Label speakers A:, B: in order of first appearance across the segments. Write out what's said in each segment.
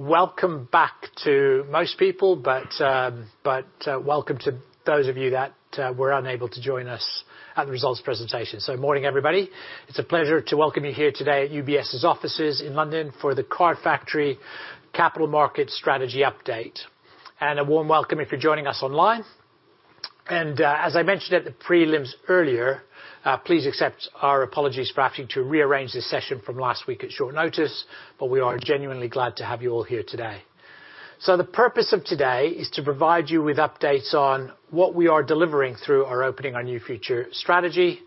A: Welcome back to most people, but welcome to those of you that were unable to join us at the results presentation. Good morning, everybody. It's a pleasure to welcome you here today at UBS's offices in London for The Card Factory capital market strategy update. A warm welcome if you're joining us online. As I mentioned at the prelims earlier, please accept our apologies for having to rearrange this session from last week at short notice, we are genuinely glad to have you all here today. The purpose of today is to provide you with updates on what we are delivering through our Opening Our New Future strategy,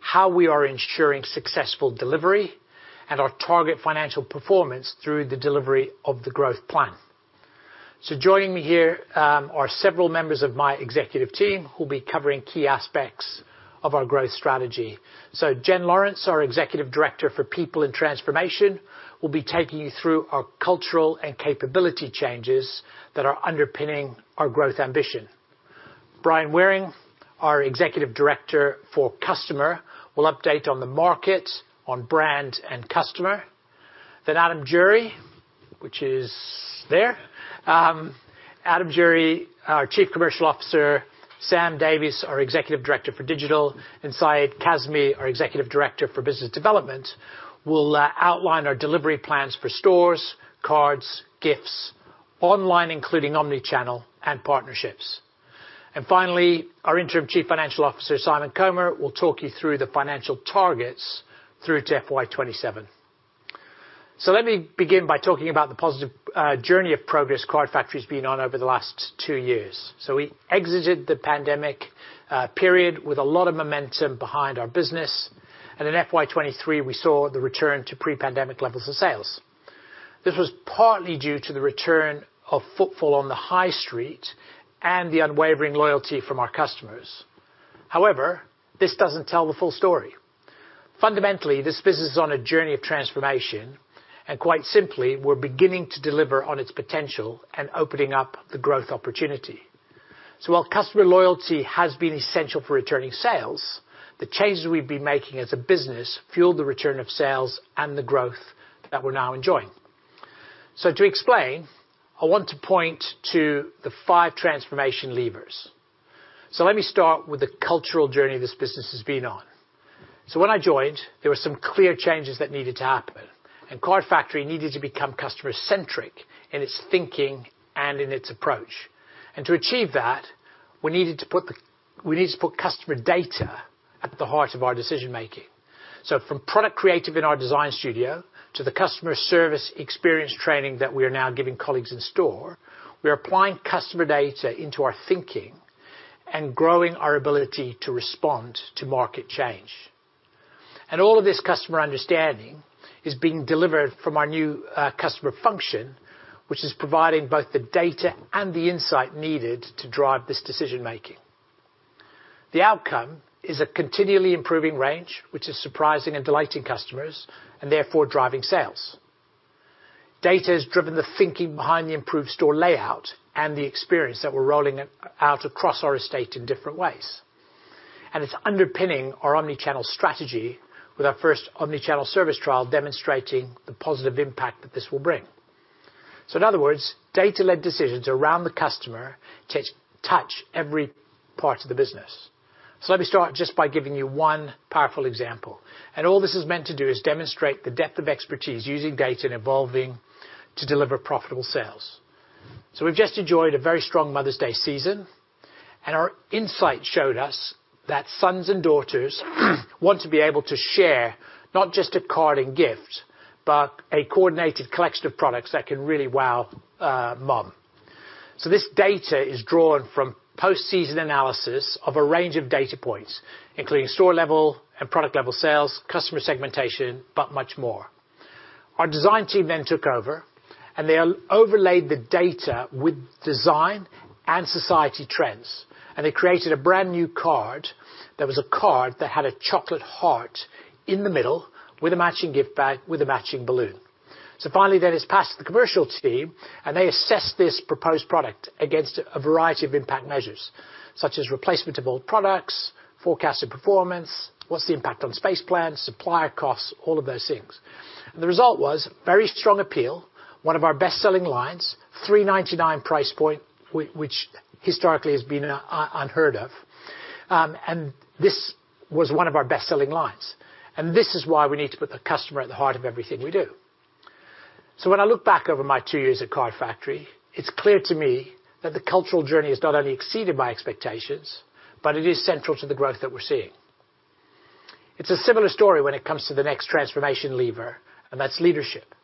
A: how we are ensuring successful delivery, and our target financial performance through the delivery of the growth plan. Joining me here are several members of my executive team who'll be covering key aspects of our growth strategy. Jen Lawrence, our Executive Director for People and Transformation, will be taking you through our cultural and capability changes that are underpinning our growth ambition. Brian Waring, our Executive Director for Customer, will update on the market, on brand and customer. Adam Dury, which is there. Adam Dury, our Chief Commercial Officer, Sam Davies, our Executive Director for Digital, and Syed Kazmi, our Executive Director for Business Development, will outline our delivery plans for stores, cards, gifts, online, including omni-channel and partnerships. Finally, our Interim Chief Financial Officer, Simon Comer, will talk you through the financial targets through to FY 2027. Let me begin by talking about the positive journey of progress Card Factory's been on over the last two years. We exited the pandemic period with a lot of momentum behind our business, and in FY 2023, we saw the return to pre-pandemic levels of sales. This was partly due to the return of footfall on the high street and the unwavering loyalty from our customers. However, this doesn't tell the full story. Fundamentally, this business is on a journey of transformation, and quite simply, we're beginning to deliver on its potential and opening up the growth opportunity. While customer loyalty has been essential for returning sales, the changes we've been making as a business fueled the return of sales and the growth that we're now enjoying. To explain, I want to point to the five transformation levers. Let me start with the cultural journey this business has been on. When I joined, there were some clear changes that needed to happen, and Card Factory needed to become customer-centric in its thinking and in its approach. To achieve that, we needed to put customer data at the heart of our decision-making. From product creative in our design studio to the customer service experience training that we are now giving colleagues in store, we are applying customer data into our thinking and growing our ability to respond to market change. All of this customer understanding is being delivered from our new customer function, which is providing both the data and the insight needed to drive this decision-making. The outcome is a continually improving range, which is surprising and delighting customers, and therefore, driving sales. Data has driven the thinking behind the improved store layout and the experience that we're rolling out across our estate in different ways. It's underpinning our omni-channel strategy with our first omni-channel service trial demonstrating the positive impact that this will bring. In other words, data-led decisions around the customer to touch every part of the business. Let me start just by giving you one powerful example. All this is meant to do is demonstrate the depth of expertise using data and evolving to deliver profitable sales. We've just enjoyed a very strong Mother's Day season, and our insight showed us that sons and daughters want to be able to share not just a card and gift, but a coordinated collection of products that can really wow, mom. This data is drawn from post-season analysis of a range of data points, including store-level and product-level sales, customer segmentation, but much more. Our design team then took over, they overlayed the data with design and society trends, and they created a brand new card that was a card that had a chocolate heart in the middle with a matching gift bag, with a matching balloon. Finally, then it's passed to the commercials team, they assessed this proposed product against a variety of impact measures, such as replacement of old products, forecasted performance, what's the impact on space plans, supplier costs, all of those things. The result was very strong appeal, one of our best-selling lines, 3.99 price point, which historically has been unheard of. This was one of our best-selling lines. This is why we need to put the customer at the heart of everything we do. When I look back over my two years at Card Factory, it's clear to me that the cultural journey has not only exceeded my expectations, but it is central to the growth that we're seeing. It's a similar story when it comes to the next transformation lever, and that's leadership.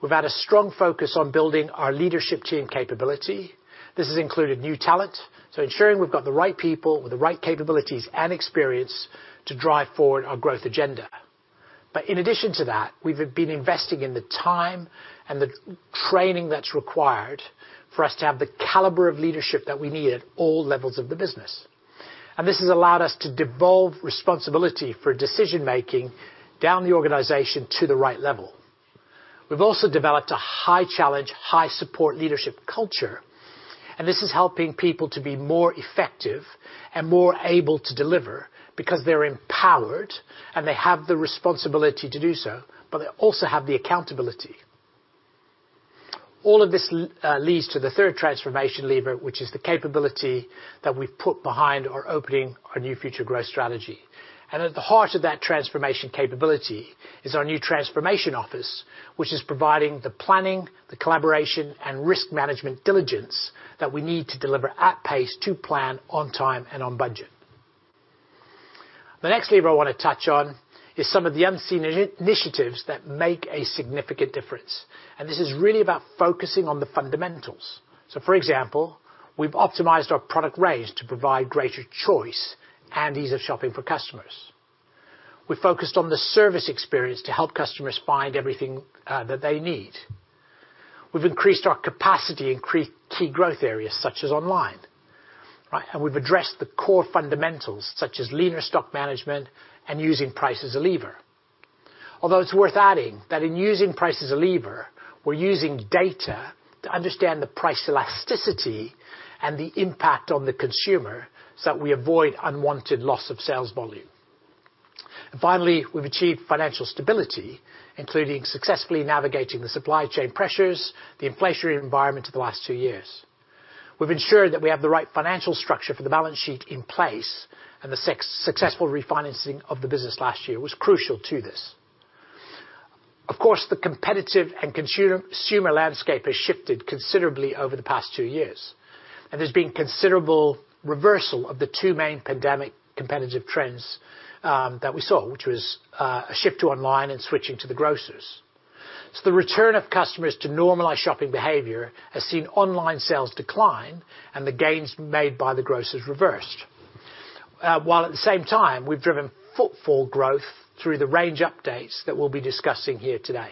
A: We've had a strong focus on building our leadership team capability. This has included new talent, so ensuring we've got the right people with the right capabilities and experience to drive forward our growth agenda. In addition to that, we've, been investing in the time and the training that's required for us to have the caliber of leadership that we need at all levels of the business. This has allowed us to devolve responsibility for decision-making down the organization to the right level. We've also developed a high challenge, high support leadership culture, and this is helping people to be more effective and more able to deliver because they're empowered and they have the responsibility to do so, but they also have the accountability. All of this leads to the third transformation lever, which is the capability that we've put behind our Opening Our New Future growth strategy. At the heart of that transformation capability is our new transformation office, which is providing the planning, the collaboration, and risk management diligence that we need to deliver at pace to plan on time and on budget. The next lever I wanna touch on is some of the unseen initiatives that make a significant difference. This is really about focusing on the fundamentals. For example, we've optimized our product range to provide greater choice and ease of shopping for customers. We've focused on the service experience to help customers find everything that they need. We've increased our capacity in key growth areas such as online, right? We've addressed the core fundamentals such as leaner stock management and using price as a lever. Although it's worth adding that in using price as a lever, we're using data to understand the price elasticity and the impact on the consumer so that we avoid unwanted loss of sales volume. Finally, we've achieved financial stability, including successfully navigating the supply chain pressures, the inflationary environment of the last two years. We've ensured that we have the right financial structure for the balance sheet in place, and the successful refinancing of the business last year was crucial to this. Of course, the competitive and consumer landscape has shifted considerably over the past two years, and there's been considerable reversal of the two main pandemic competitive trends that we saw, which was a shift to online and switching to the grocers. The return of customers to normalized shopping behavior has seen online sales decline and the gains made by the grocers reversed. While at the same time, we've driven footfall growth through the range updates that we'll be discussing here today.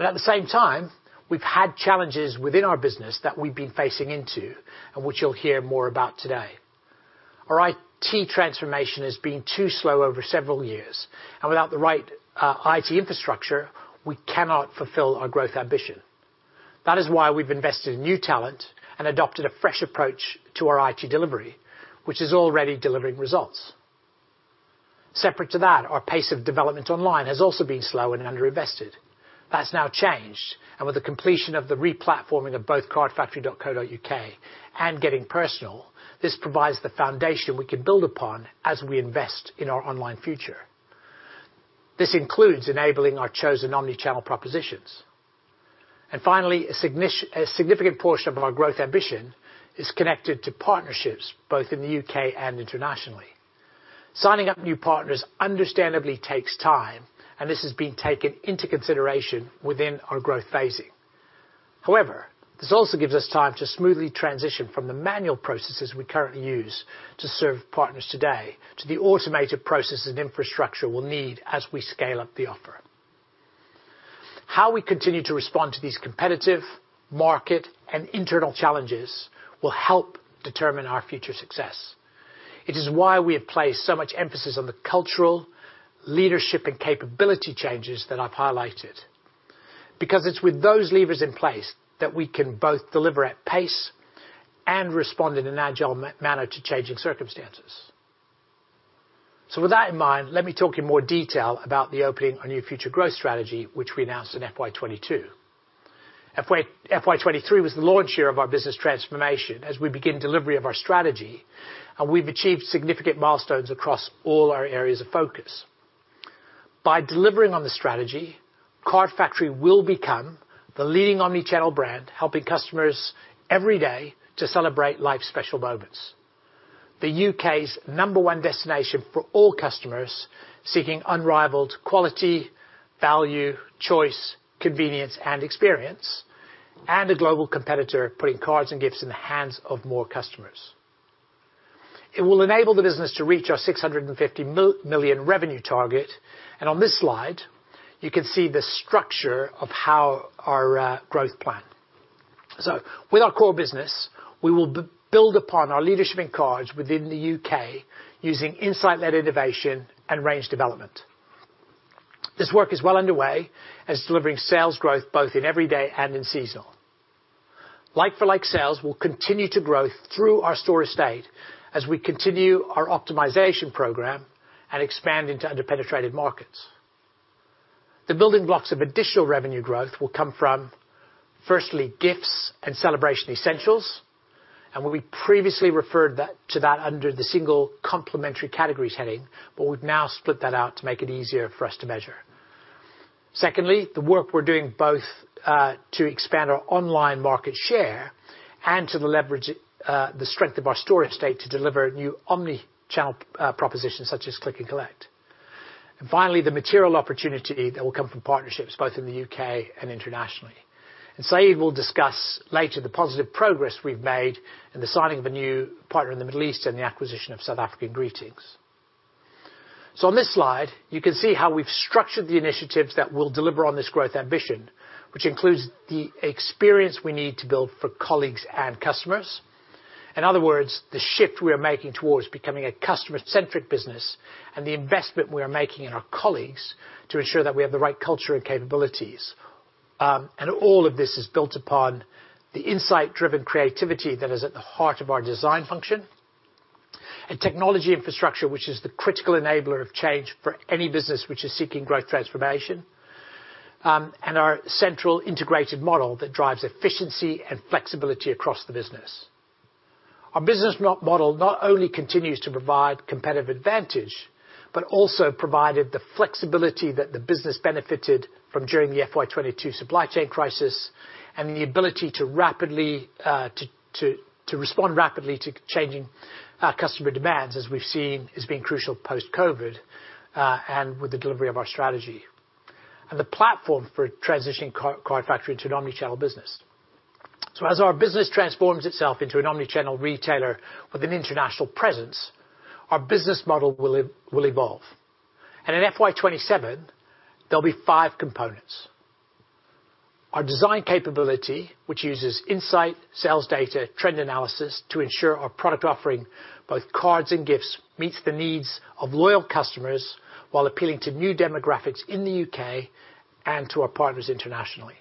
A: At the same time, we've had challenges within our business that we've been facing into and which you'll hear more about today. Our IT transformation has been too slow over several years, and without the right IT infrastructure, we cannot fulfill our growth ambition. That is why we've invested in new talent and adopted a fresh approach to our IT delivery, which is already delivering results. Separate to that, our pace of development online has also been slow and underinvested. That's now changed, and with the completion of the replatforming of both cardfactory.co.uk and Getting Personal, this provides the foundation we can build upon as we invest in our online future. This includes enabling our chosen omni-channel propositions. Finally, a significant portion of our growth ambition is connected to partnerships both in the U.K. and internationally. Signing up new partners understandably takes time, and this is being taken into consideration within our growth phasing. However, this also gives us time to smoothly transition from the manual processes we currently use to serve partners today to the automated processes and infrastructure we'll need as we scale up the offer. How we continue to respond to these competitive, market, and internal challenges will help determine our future success. It is why we have placed so much emphasis on the cultural, leadership, and capability changes that I've highlighted. Because it's with those levers in place that we can both deliver at pace and respond in an agile manner to changing circumstances. With that in mind, let me talk in more detail about the Opening Our New Future growth strategy, which we announced in FY 2022. FY 2023 was the launch year of our business transformation as we begin delivery of our strategy, and we've achieved significant milestones across all our areas of focus. By delivering on the strategy, Card Factory will become the leading omni-channel brand, helping customers every day to celebrate life's special moments. The U.K.'s number one destination for all customers seeking unrivaled quality, value, choice, convenience, and experience, and a global competitor putting cards and gifts in the hands of more customers. It will enable the business to reach our £650 million revenue target. On this slide, you can see the structure of how our growth plan. With our core business, we will build upon our leadership in cards within the U.K. using insight-led innovation and range development. This work is well underway and is delivering sales growth both in every day and in seasonal. Like for like, sales will continue to grow through our store estate as we continue our optimization program and expand into underpenetrated markets. The building blocks of additional revenue growth will come from, firstly, gifts and celebration essentials. We previously referred to that under the single complementary categories heading, but we've now split that out to make it easier for us to measure. Secondly, the work we're doing both to expand our online market share and to leverage the strength of our store estate to deliver new omni-channel propositions such as Click and Collect. Finally, the material opportunity that will come from partnerships both in the U.K. and internationally. Syed will discuss later the positive progress we've made in the signing of a new partner in the Middle East and the acquisition of South African Greetings. On this slide, you can see how we've structured the initiatives that will deliver on this growth ambition, which includes the experience we need to build for colleagues and customers. In other words, the shift we are making towards becoming a customer-centric business and the investment we are making in our colleagues to ensure that we have the right culture and capabilities. And all of this is built upon the insight-driven creativity that is at the heart of our design function and technology infrastructure, which is the critical enabler of change for any business which is seeking growth transformation, and our central integrated model that drives efficiency and flexibility across the business. Our business model not only continues to provide competitive advantage but also provided the flexibility that the business benefited from during the FY 2022 supply chain crisis, and the ability to respond rapidly to changing customer demands, as we've seen as being crucial post-COVID, and with the delivery of our strategy, and the platform for transitioning Card Factory to an omni-channel business. As our business transforms itself into an omni-channel retailer with an international presence, our business model will evolve. In FY 2027, there'll be five components. Our design capability, which uses insight, sales data, trend analysis to ensure our product offering, both cards and gifts, meets the needs of loyal customers while appealing to new demographics in the U.K. and to our partners internationally.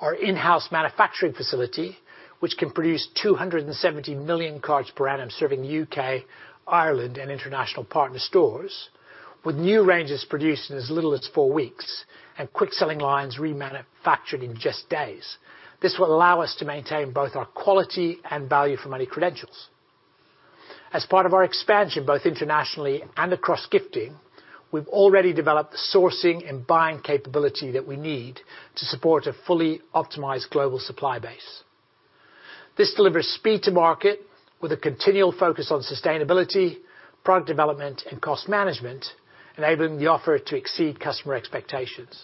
A: Our in-house manufacturing facility, which can produce 270 million cards per annum, serving U.K., Ireland, and international partner stores, with new ranges produced in as little as four weeks and quick-selling lines remanufactured in just days. This will allow us to maintain both our quality and value for money credentials. As part of our expansion, both internationally and across gifting, we've already developed the sourcing and buying capability that we need to support a fully optimized global supply base. This delivers speed to market with a continual focus on sustainability, product development, and cost management, enabling the offer to exceed customer expectations.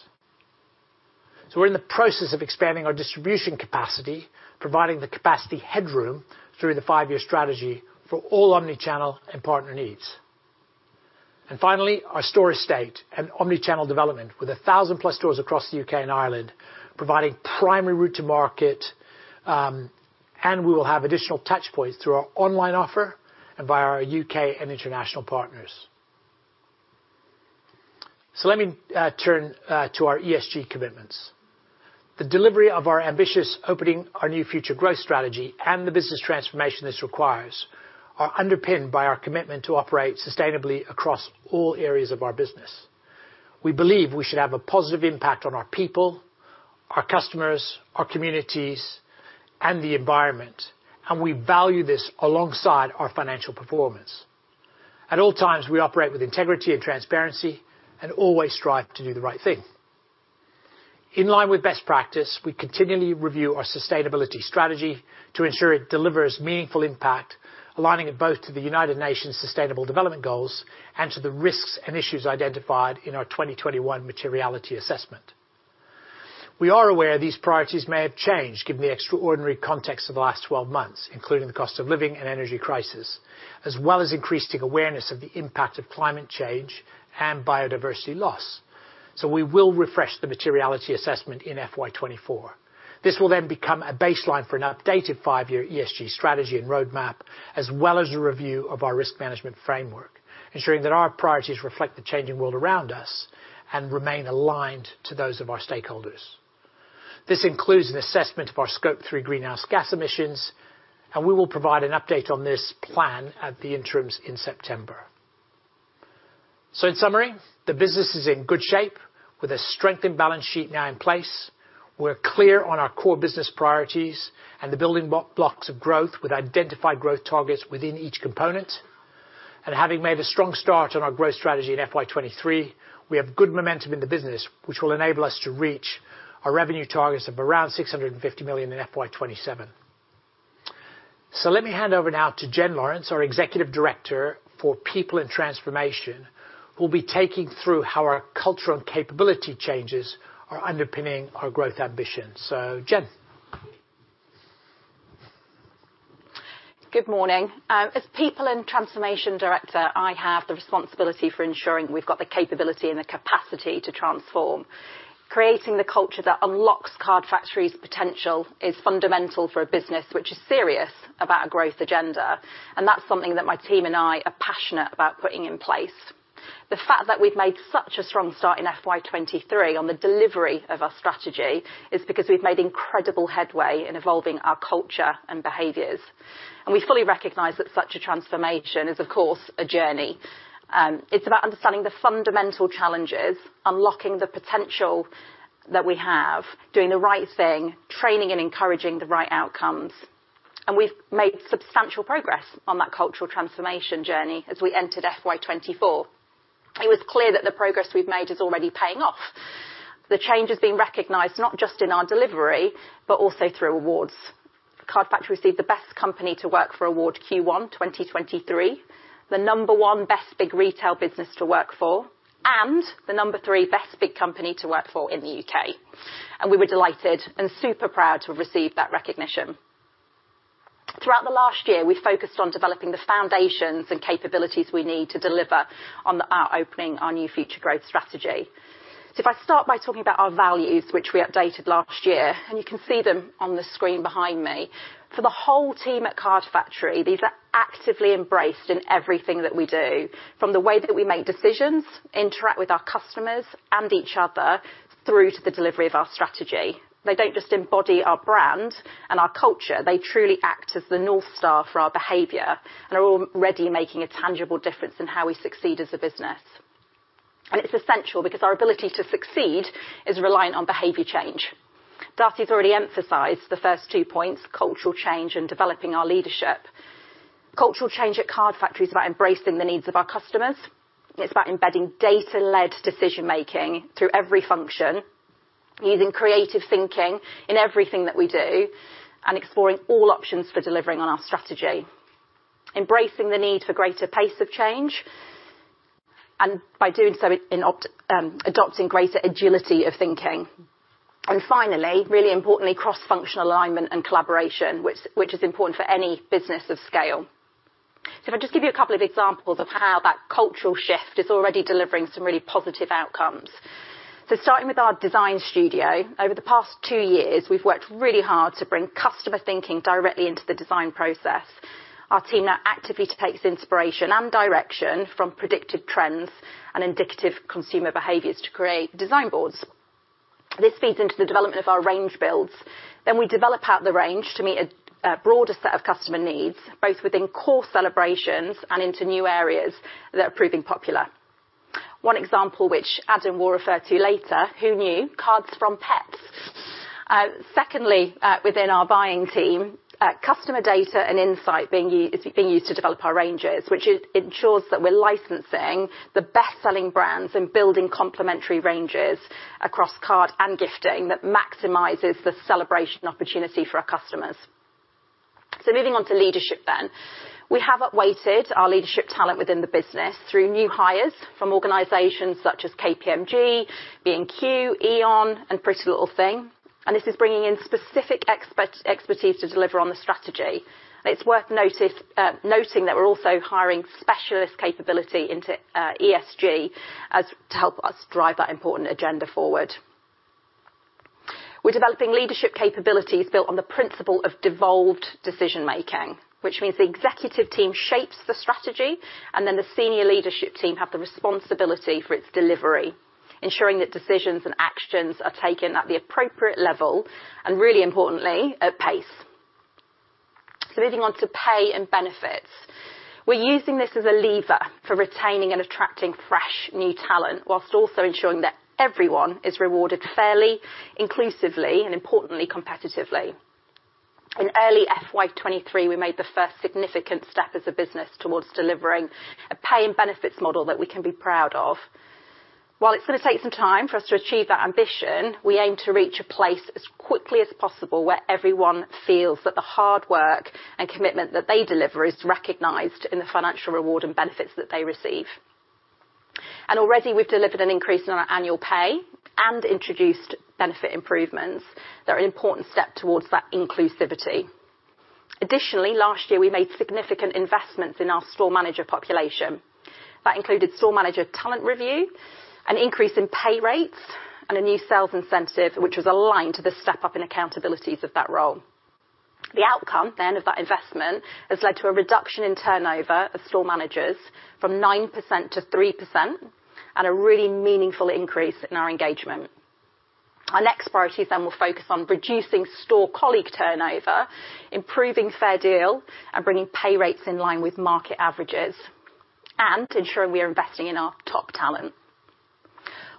A: We're in the process of expanding our distribution capacity, providing the capacity headroom through the 5-year strategy for all omni-channel and partner needs. Finally, our store estate and omni-channel development, with 1,000-plus stores across the U.K. and Ireland providing primary route to market. We will have additional touchpoints through our online offer and via our U.K. and international partners. Let me turn to our ESG commitments. The delivery of our ambitious Opening Our New Future growth strategy and the business transformation this requires are underpinned by our commitment to operate sustainably across all areas of our business. We believe we should have a positive impact on our people, our customers, our communities, and the environment, and we value this alongside our financial performance. At all times, we operate with integrity and transparency and always strive to do the right thing. In line with best practice, we continually review our sustainability strategy to ensure it delivers meaningful impact, aligning it both to the United Nations Sustainable Development Goals and to the risks and issues identified in our 2021 materiality assessment. We are aware these priorities may have changed given the extraordinary context of the last 12 months, including the cost of living and energy crisis, as well as increasing awareness of the impact of climate change and biodiversity loss. We will refresh the materiality assessment in FY 2024. This will then become a baseline for an updated five-year ESG strategy and roadmap, as well as a review of our risk management framework, ensuring that our priorities reflect the changing world around us and remain aligned to those of our stakeholders. This includes an assessment of our Scope 3 greenhouse gas emissions. We will provide an update on this plan at the interims in September. In summary, the business is in good shape with a strengthened balance sheet now in place. We're clear on our core business priorities and the building blocks of growth with identified growth targets within each component. Having made a strong start on our growth strategy in FY 2023, we have good momentum in the business, which will enable us to reach our revenue targets of around 650 million in FY 2027. Let me hand over now to Jen Lawrence, our Executive Director for People and Transformation, who will be taking through how our cultural and capability changes are underpinning our growth ambitions. Jen.
B: Good morning. As People and Transformation Director, I have the responsibility for ensuring we've got the capability and the capacity to transform. Creating the culture that unlocks Card Factory's potential is fundamental for a business which is serious about a growth agenda, that's something that my team and I are passionate about putting in place. The fact that we've made such a strong start in FY 2023 on the delivery of our strategy is because we've made incredible headway in evolving our culture and behaviors. We fully recognize that such a transformation is, of course, a journey. It's about understanding the fundamental challenges, unlocking the potential that we have, doing the right thing, training and encouraging the right outcomes. We've made substantial progress on that cultural transformation journey as we entered FY 2024. It was clear that the progress we've made is already paying off. The change has been recognized not just in our delivery, but also through awards. Card Factory received the best company to work for award Q1 2023, the number 1 best big retail business to work for, and the number 3 best big company to work for in the U.K. We were delighted and super proud to receive that recognition. Throughout the last year, we focused on developing the foundations and capabilities we need to deliver on our Opening Our New Future growth strategy. If I start by talking about our values, which we updated last year, and you can see them on the screen behind me. For the whole team at Card Factory, these are actively embraced in everything that we do, from the way that we make decisions, interact with our customers and each other, through to the delivery of our strategy. They don't just embody our brand and our culture, they truly act as the North Star for our behavior and are already making a tangible difference in how we succeed as a business. It's essential because our ability to succeed is reliant on behavior change. Darcy has already emphasized the first two points, cultural change and developing our leadership. Cultural change at Card Factory is about embracing the needs of our customers. It's about embedding data-led decision-making through every function, using creative thinking in everything that we do, and exploring all options for delivering on our strategy. Embracing the need for greater pace of change, by doing so, adopting greater agility of thinking. Finally, really importantly, cross-functional alignment and collaboration, which is important for any business of scale. If I just give you a couple of examples of how that cultural shift is already delivering some really positive outcomes. Starting with our design studio, over the past two years, we've worked really hard to bring customer thinking directly into the design process. Our team now actively takes inspiration and direction from predicted trends and indicative consumer behaviors to create design boards. This feeds into the development of our range builds. We develop out the range to meet a broader set of customer needs, both within core celebrations and into new areas that are proving popular. One example, which Adam will refer to later, who knew cards from pets? Secondly, within our buying team, customer data and insight is being used to develop our ranges, which ensures that we're licensing the best-selling brands and building complementary ranges across card and gifting that maximizes the celebration opportunity for our customers. Moving on to leadership then. We have upweighted our leadership talent within the business through new hires from organizations such as KPMG, B&Q, E.ON, and PrettyLittleThing. This is bringing in specific expertise to deliver on the strategy. It's worth noting that we're also hiring specialist capability into ESG to help us drive that important agenda forward. We're developing leadership capabilities built on the principle of devolved decision-making, which means the executive team shapes the strategy, the senior leadership team have the responsibility for its delivery, ensuring that decisions and actions are taken at the appropriate level, and really importantly, at pace. Moving on to pay and benefits. We're using this as a lever for retaining and attracting fresh, new talent, whilst also ensuring that everyone is rewarded fairly, inclusively, and importantly, competitively. In early FY 2023, we made the first significant step as a business towards delivering a pay and benefits model that we can be proud of. While it's gonna take some time for us to achieve that ambition, we aim to reach a place as quickly as possible where everyone feels that the hard work and commitment that they deliver is recognized in the financial reward and benefits that they receive. Already, we've delivered an increase in our annual pay and introduced benefit improvements that are an important step towards that inclusivity. Additionally, last year, we made significant investments in our store manager population. That included store manager talent review, an increase in pay rates, and a new sales incentive, which was aligned to the step-up in accountabilities of that role. The outcome of that investment has led to a reduction in turnover of store managers from 9% to 3% and a really meaningful increase in our engagement. Our next priority will focus on reducing store colleague turnover, improving fair deal, and bringing pay rates in line with market averages, and ensuring we are investing in our top talent.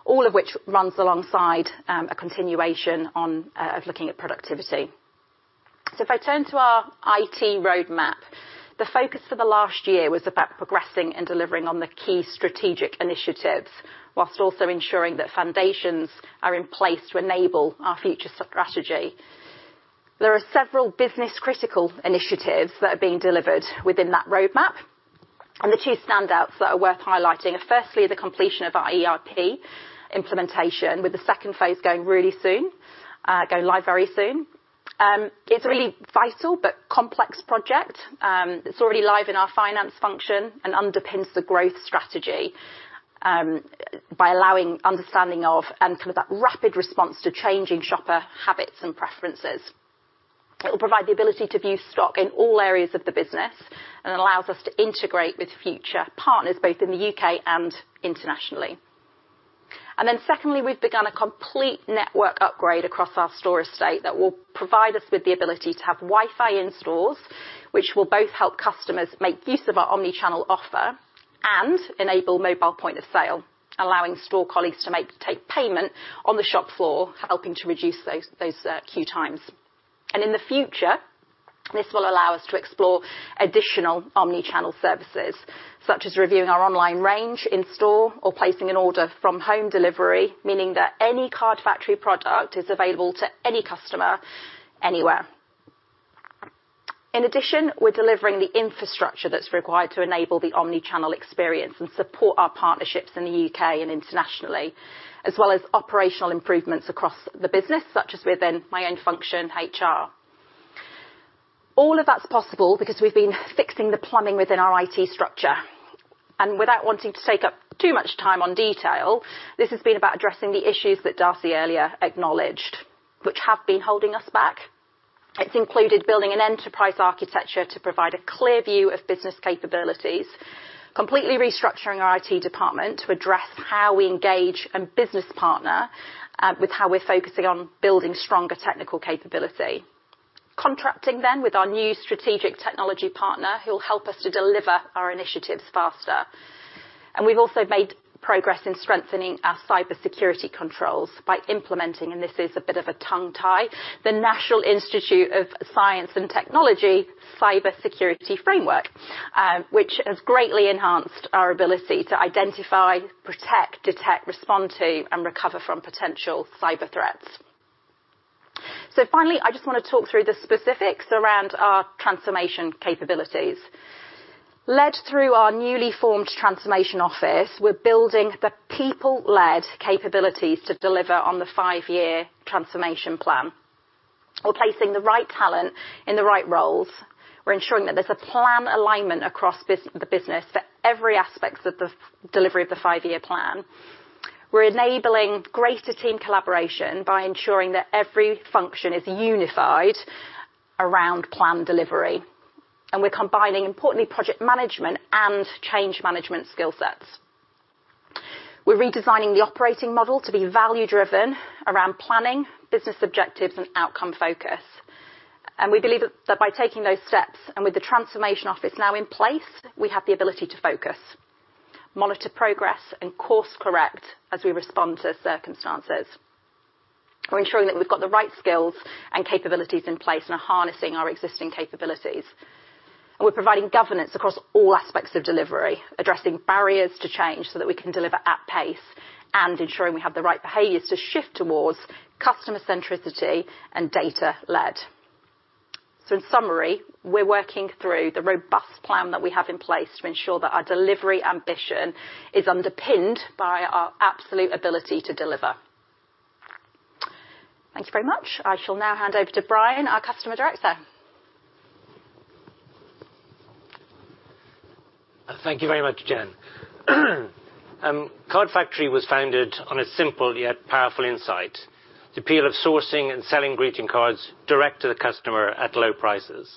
B: All of which runs alongside a continuation on of looking at productivity. If I turn to our IT roadmap, the focus for the last year was about progressing and delivering on the key strategic initiatives, whilst also ensuring that foundations are in place to enable our future strategy. There are several business critical initiatives that are being delivered within that roadmap, and the two standouts that are worth highlighting are firstly, the completion of our ERP implementation, with the second phase going really soon, going live very soon. It's a really vital but complex project. It's already live in our finance function and underpins the growth strategy by allowing understanding of and kind of that rapid response to changing shopper habits and preferences. It will provide the ability to view stock in all areas of the business and allows us to integrate with future partners both in the U.K. and internationally. Secondly, we've begun a complete network upgrade across our store estate that will provide us with the ability to have Wi-Fi in stores, which will both help customers make use of our Omni-channel offer and enable mobile point of sale, allowing store colleagues to take payment on the shop floor, helping to reduce those queue times. In the future, this will allow us to explore additional Omni-channel services, such as reviewing our online range in store or placing an order from home delivery, meaning that any Card Factory product is available to any customer, anywhere. We're delivering the infrastructure that's required to enable the omni-channel experience and support our partnerships in the U.K. and internationally, as well as operational improvements across the business, such as within my own function, HR. All of that's possible because we've been fixing the plumbing within our IT structure. Without wanting to take up too much time on detail, this has been about addressing the issues that Darcy earlier acknowledged, which have been holding us back. It's included building an enterprise architecture to provide a clear view of business capabilities, completely restructuring our IT department to address how we engage and business partner with how we're focusing on building stronger technical capability. Contracting with our new strategic technology partner, who will help us to deliver our initiatives faster. We've also made progress in strengthening our cybersecurity controls by implementing, and this is a bit of a tongue tie, the National Institute of Standards and Technology Cybersecurity Framework, which has greatly enhanced our ability to identify, protect, detect, respond to, and recover from potential cyber threats. Finally, I just wanna talk through the specifics around our transformation capabilities. Led through our newly formed transformation office, we're building the people-led capabilities to deliver on the five-year transformation plan. We're placing the right talent in the right roles. We're ensuring that there's a plan alignment across the business for every aspect of the delivery of the five-year plan. We're enabling greater team collaboration by ensuring that every function is unified around plan delivery. We're combining, importantly, project management and change management skill sets. We're redesigning the operating model to be value-driven around planning, business objectives, and outcome focus. We believe that by taking those steps, and with the transformation office now in place, we have the ability to focus, monitor progress, and course correct as we respond to circumstances. We're ensuring that we've got the right skills and capabilities in place and are harnessing our existing capabilities. We're providing governance across all aspects of delivery, addressing barriers to change so that we can deliver at pace, and ensuring we have the right behaviors to shift towards customer centricity and data-led. In summary, we're working through the robust plan that we have in place to ensure that our delivery ambition is underpinned by our absolute ability to deliver. Thank you very much. I shall now hand over to Brian, our Customer Director.
C: Thank you very much, Jen. Card Factory was founded on a simple yet powerful insight, the appeal of sourcing and selling greeting cards direct to the customer at low prices.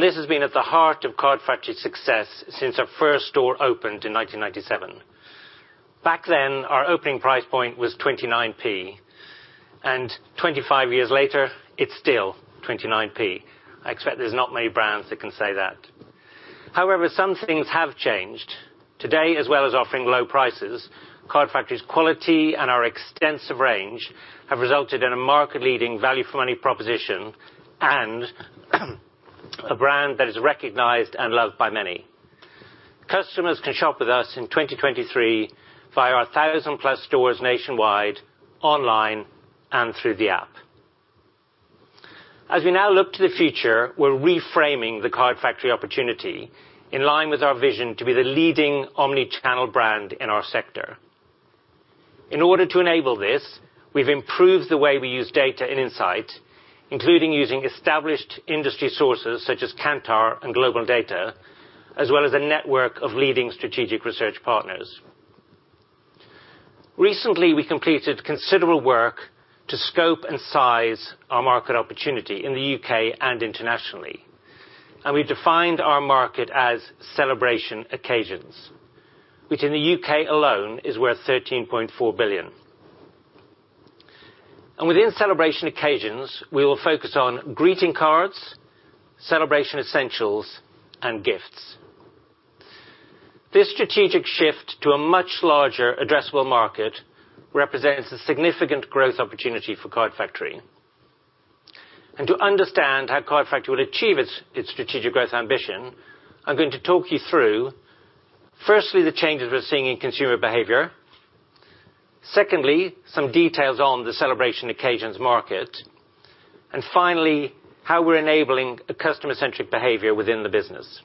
C: This has been at the heart of Card Factory's success since our first store opened in 1997. Back then, our opening price point was 0.29, and 25 years later, it's still 0.29. I expect there's not many brands that can say that. However, some things have changed. Today, as well as offering low prices, Card Factory's quality and our extensive range have resulted in a market-leading value for money proposition and a brand that is recognized and loved by many. Customers can shop with us in 2023 via our 1,000+ stores nationwide, online, and through the app. As we now look to the future, we're reframing the Card Factory opportunity in line with our vision to be the leading omni-channel brand in our sector. In order to enable this, we've improved the way we use data and insight, including using established industry sources such as Kantar and GlobalData, as well as a network of leading strategic research partners. Recently, we completed considerable work to scope and size our market opportunity in the U.K. and internationally. We've defined our market as celebration occasions, which in the U.K. alone is worth 13.4 billion. Within celebration occasions, we will focus on greeting cards, celebration essentials, and gifts. This strategic shift to a much larger addressable market represents a significant growth opportunity for Card Factory. To understand how Card Factory will achieve its strategic growth ambition, I'm going to talk you through, firstly, the changes we're seeing in consumer behavior, secondly, some details on the celebration occasions market, and finally, how we're enabling a customer-centric behavior within the business.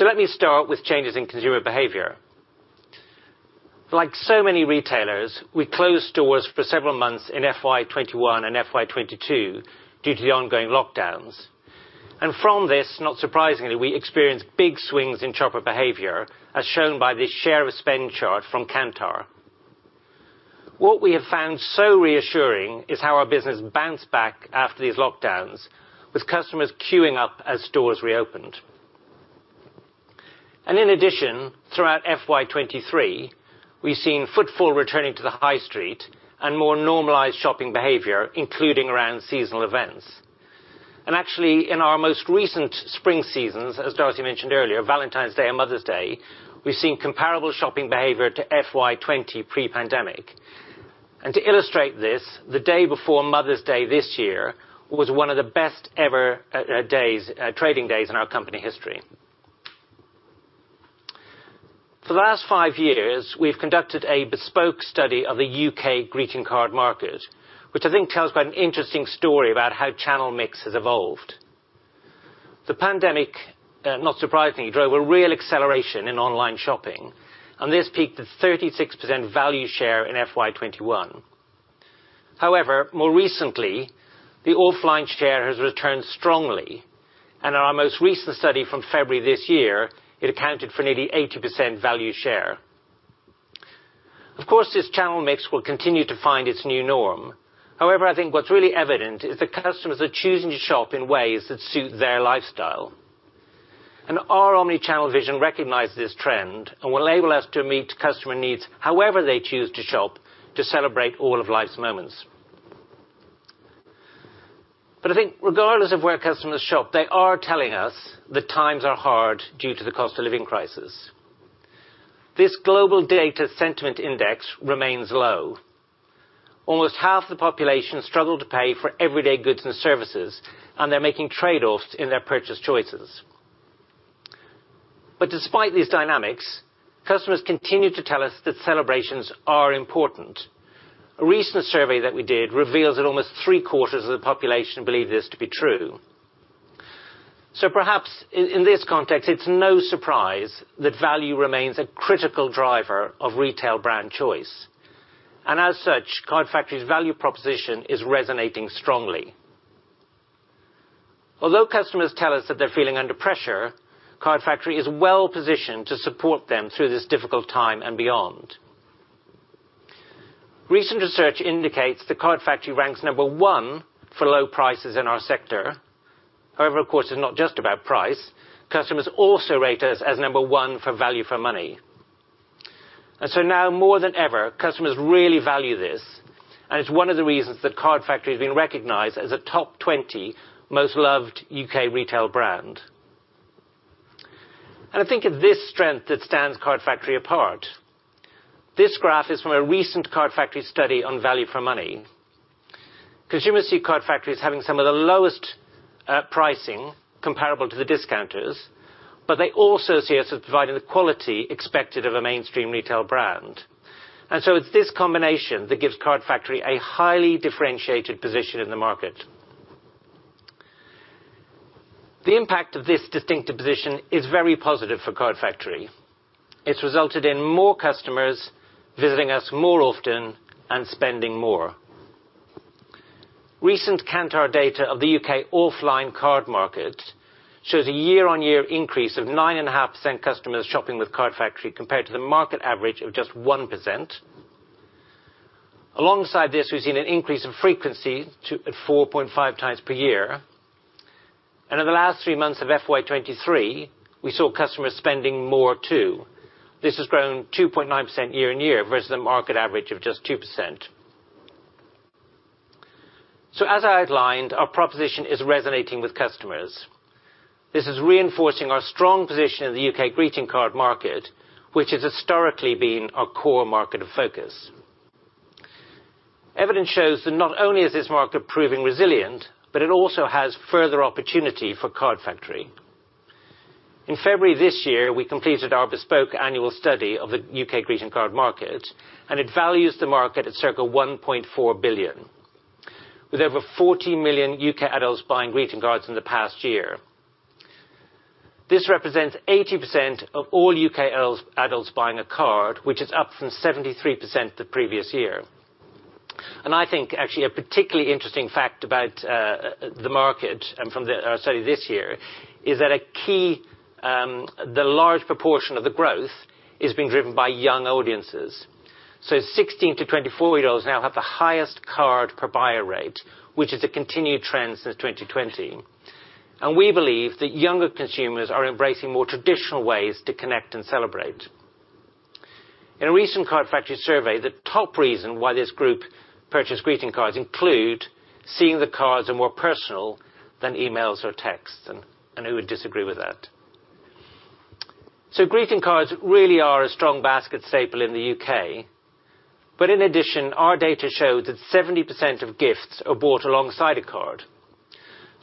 C: Let me start with changes in consumer behavior. Like so many retailers, we closed stores for several months in FY 2021 and FY 2022 due to the ongoing lockdowns. From this, not surprisingly, we experienced big swings in shopper behavior, as shown by this share of spend chart from Kantar. What we have found so reassuring is how our business bounced back after these lockdowns, with customers queuing up as stores reopened. In addition, throughout FY 2023, we've seen footfall returning to the high street and more normalized shopping behavior, including around seasonal events. Actually, in our most recent spring seasons, as Darcy mentioned earlier, Valentine's Day and Mother's Day, we've seen comparable shopping behavior to FY 2020 pre-pandemic. To illustrate this, the day before Mother's Day this year was one of the best ever trading days in our company history. For the last five years, we've conducted a bespoke study of the U.K. greeting card market, which I think tells quite an interesting story about how channel mix has evolved. The pandemic, not surprisingly, drove a real acceleration in online shopping, and this peaked at 36% value share in FY 2021. However, more recently, the offline share has returned strongly, and in our most recent study from February this year, it accounted for nearly 80% value share. Of course, this channel mix will continue to find its new norm. However, I think what's really evident is that customers are choosing to shop in ways that suit their lifestyle. And our omni-channel vision recognizes this trend and will enable us to meet customer needs however they choose to shop to celebrate all of life's moments. I think regardless of where customers shop, they are telling us that times are hard due to the cost of living crisis. This global data sentiment index remains low. Almost half the population struggle to pay for everyday goods and services, and they're making trade-offs in their purchase choices. Despite these dynamics, customers continue to tell us that celebrations are important. A recent survey that we did reveals that almost three-quarters of the population believe this to be true. Perhaps in this context, it's no surprise that value remains a critical driver of retail brand choice. As such, Card Factory's value proposition is resonating strongly. Although customers tell us that they're feeling under pressure, Card Factory is well-positioned to support them through this difficult time and beyond. Recent research indicates that Card Factory ranks number one for low prices in our sector. However, of course, it's not just about price. Customers also rate us as number one for value for money. Now more than ever, customers really value this, and it's one of the reasons that Card Factory has been recognized as a top 20 most loved U.K. retail brand. I think it's this strength that stands Card Factory apart. This graph is from a recent Card Factory study on value for money. Consumers see Card Factory as having some of the lowest pricing comparable to the discounters, but they also see us as providing the quality expected of a mainstream retail brand. So it's this combination that gives Card Factory a highly differentiated position in the market. The impact of this distinctive position is very positive for Card Factory. It's resulted in more customers visiting us more often and spending more. Recent Kantar data of the U.K. offline card market shows a year-on-year increase of 9.5% customers shopping with Card Factory, compared to the market average of just 1%. Alongside this, we've seen an increase in frequency at 4.5x per year. In the last three months of FY 2023, we saw customers spending more too. This has grown 2.9% year-on-year versus the market average of just 2%. As I outlined, our proposition is resonating with customers. This is reinforcing our strong position in the U.K. greeting card market, which has historically been our core market of focus. Evidence shows that not only is this market proving resilient, but it also has further opportunity for Card Factory. In February this year, we completed our bespoke annual study of the U.K. greeting card market, and it values the market at circa 1.4 billion. With over 40 million U.K. adults buying greeting cards in the past year. This represents 80% of all U.K. adults buying a card, which is up from 73% the previous year. I think actually a particularly interesting fact about the market and from the study this year is that a key, the large proportion of the growth is being driven by young audiences. 16-24-year-olds now have the highest card per buyer rate, which is a continued trend since 2020. We believe that younger consumers are embracing more traditional ways to connect and celebrate. In a recent Card Factory survey, the top reason why this group purchased greeting cards include seeing the cards are more personal than emails or texts, and who would disagree with that? Greeting cards really are a strong basket staple in the U.K. In addition, our data show that 70% of gifts are bought alongside a card.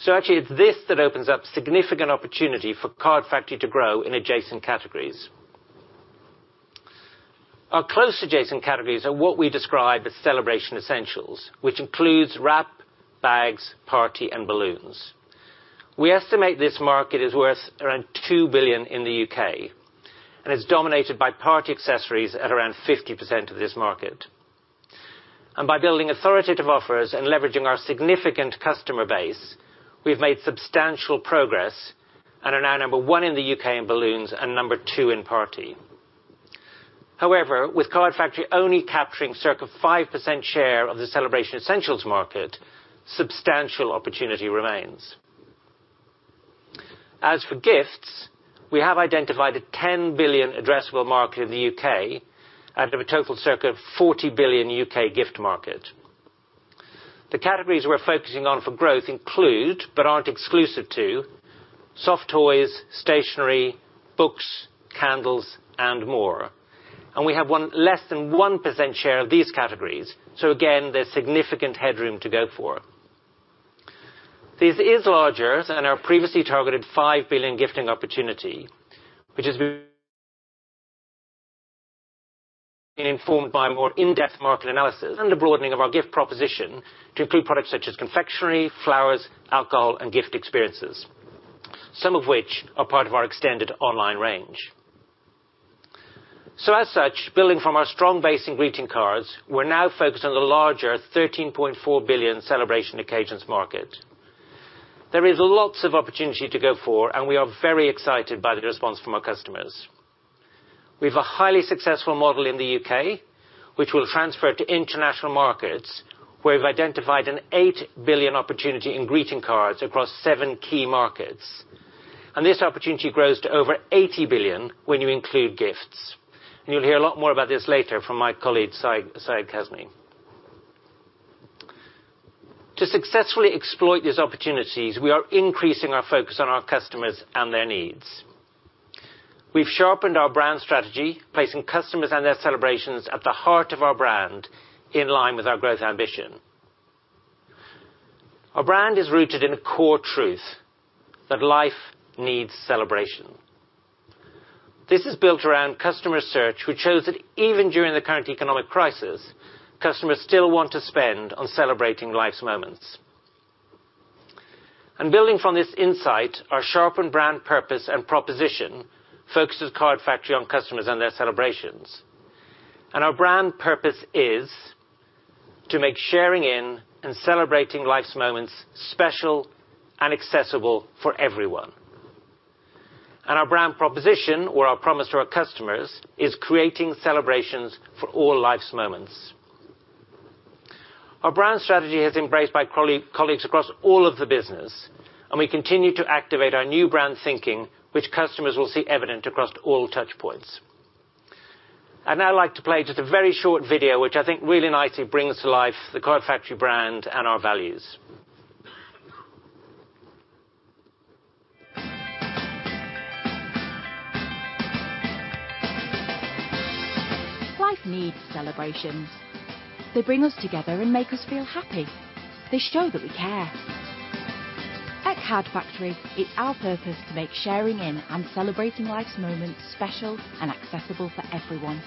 C: Actually it's this that opens up significant opportunity for Card Factory to grow in adjacent categories. Our close adjacent categories are what we describe as celebration essentials, which includes wrap, bags, party, and balloons. We estimate this market is worth around 2 billion in the U.K., it's dominated by party accessories at around 50% of this market. By building authoritative offers and leveraging our significant customer base, we've made substantial progress and are now number one in the U.K. in balloons and number two in party. However, with Card Factory only capturing circa 5% share of the celebration essentials market, substantial opportunity remains. As for gifts, we have identified a 10 billion addressable market in the U.K. out of a total circa 40 billion U.K. gift market. The categories we're focusing on for growth include, but aren't exclusive to, soft toys, stationery, books, candles, and more. We have less than 1% share of these categories. Again, there's significant headroom to go for. This is larger than our previously targeted 5 billion gifting opportunity, which is informed by more in-depth market analysis and the broadening of our gift proposition to include products such as confectionery, flowers, alcohol, and gift experiences. Some of which are part of our extended online range. As such, building from our strong base in greeting cards, we're now focused on the larger 13.4 billion celebration occasions market. There is lots of opportunity to go for, and we are very excited by the response from our customers. We've a highly successful model in the U.K., which we'll transfer to international markets, where we've identified a 8 billion opportunity in greeting cards across seven key markets. This opportunity grows to over 80 billion when you include gifts. You'll hear a lot more about this later from my colleague Syed Kazmi. To successfully exploit these opportunities, we are increasing our focus on our customers and their needs. We've sharpened our brand strategy, placing customers and their celebrations at the heart of our brand, in line with our growth ambition. Our brand is rooted in a core truth that life needs celebration. This is built around customer search, which shows that even during the current economic crisis, customers still want to spend on celebrating life's moments. Building from this insight, our sharpened brand purpose and proposition focuses Card Factory on customers and their celebrations. Our brand purpose is to make sharing in and celebrating life's moments special and accessible for everyone. Our brand proposition or our promise to our customers is creating celebrations for all life's moments. Our brand strategy is embraced by colleagues across all of the business, and we continue to activate our new brand thinking, which customers will see evident across all touchpoints. I'd now like to play just a very short video, which I think really nicely brings to life the Card Factory brand and our values.
D: Life needs celebrations. They bring us together and make us feel happy. They show that we care. At Card Factory, it's our purpose to make sharing in and celebrating life's moments special and accessible for everyone.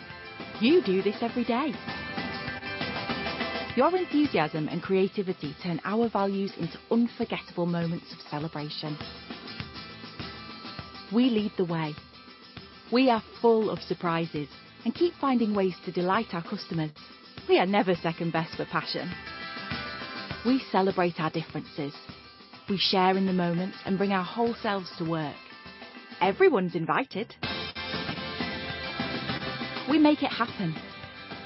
D: You do this every day. Your enthusiasm and creativity turn our values into unforgettable moments of celebration. We lead the way. We are full of surprises and keep finding ways to delight our customers. We are never second best for passion. We celebrate our differences. We share in the moments and bring our whole selves to work. Everyone's invited. We make it happen.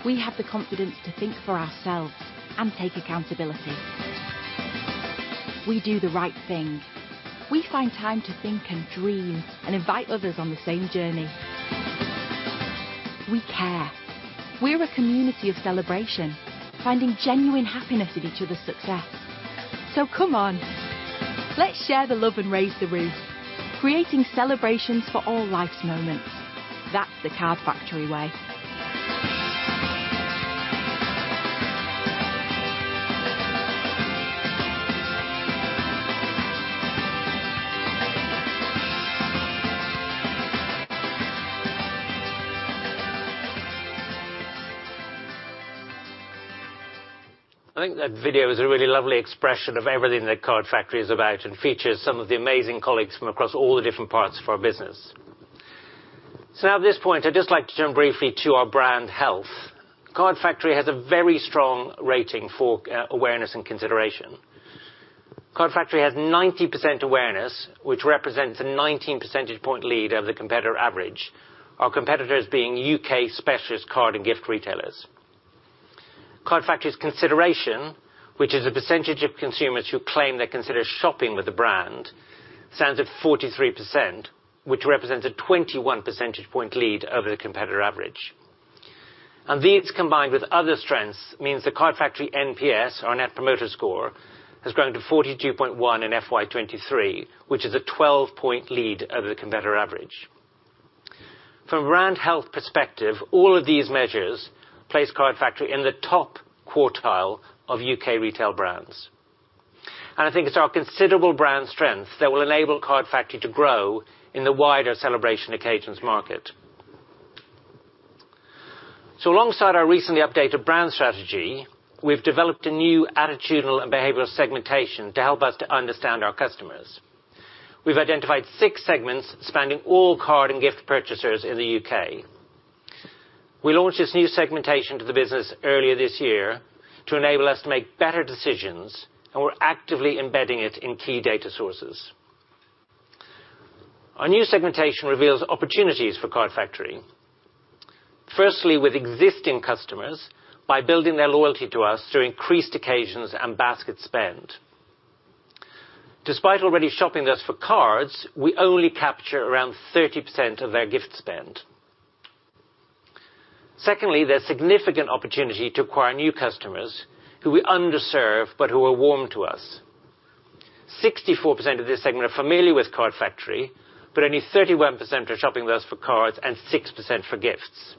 D: We have the confidence to think for ourselves and take accountability. We do the right thing. We find time to think and dream and invite others on the same journey. We care. We're a community of celebration, finding genuine happiness in each other's success. Come on, let's share the love and raise the roof. Creating celebrations for all life's moments. That's the Card Factory way.
C: I think that video is a really lovely expression of everything that Card Factory is about and features some of the amazing colleagues from across all the different parts of our business. Now at this point, I'd just like to turn briefly to our brand health. Card Factory has a very strong rating for awareness and consideration. Card Factory has 90% awareness, which represents a 19 percentage point lead over the competitor average. Our competitors being U.K. specialist card and gift retailers. Card Factory's consideration, which is a percentage of consumers who claim they consider shopping with the brand, stands at 43%, which represents a 21 percentage point lead over the competitor average. These, combined with other strengths, means the Card Factory NPS or Net Promoter Score has grown to 42.1 in FY 2023, which is a 12-point lead over the competitor average. From a brand health perspective, all of these measures place Card Factory in the top quartile of U.K. retail brands. I think it's our considerable brand strength that will enable Card Factory to grow in the wider celebration occasions market. Alongside our recently updated brand strategy, we've developed a new attitudinal and behavioral segmentation to help us to understand our customers. We've identified six segments spanning all card and gift purchasers in the U.K. We launched this new segmentation to the business earlier this year to enable us to make better decisions, and we're actively embedding it in key data sources. Our new segmentation reveals opportunities for Card Factory. Firstly, with existing customers, by building their loyalty to us through increased occasions and basket spend. Despite already shopping with us for cards, we only capture around 30% of their gift spend. Secondly, there's significant opportunity to acquire new customers who we underserve but who are warm to us. 64% of this segment are familiar with Card Factory, but only 31% are shopping with us for cards and 6% for gifts.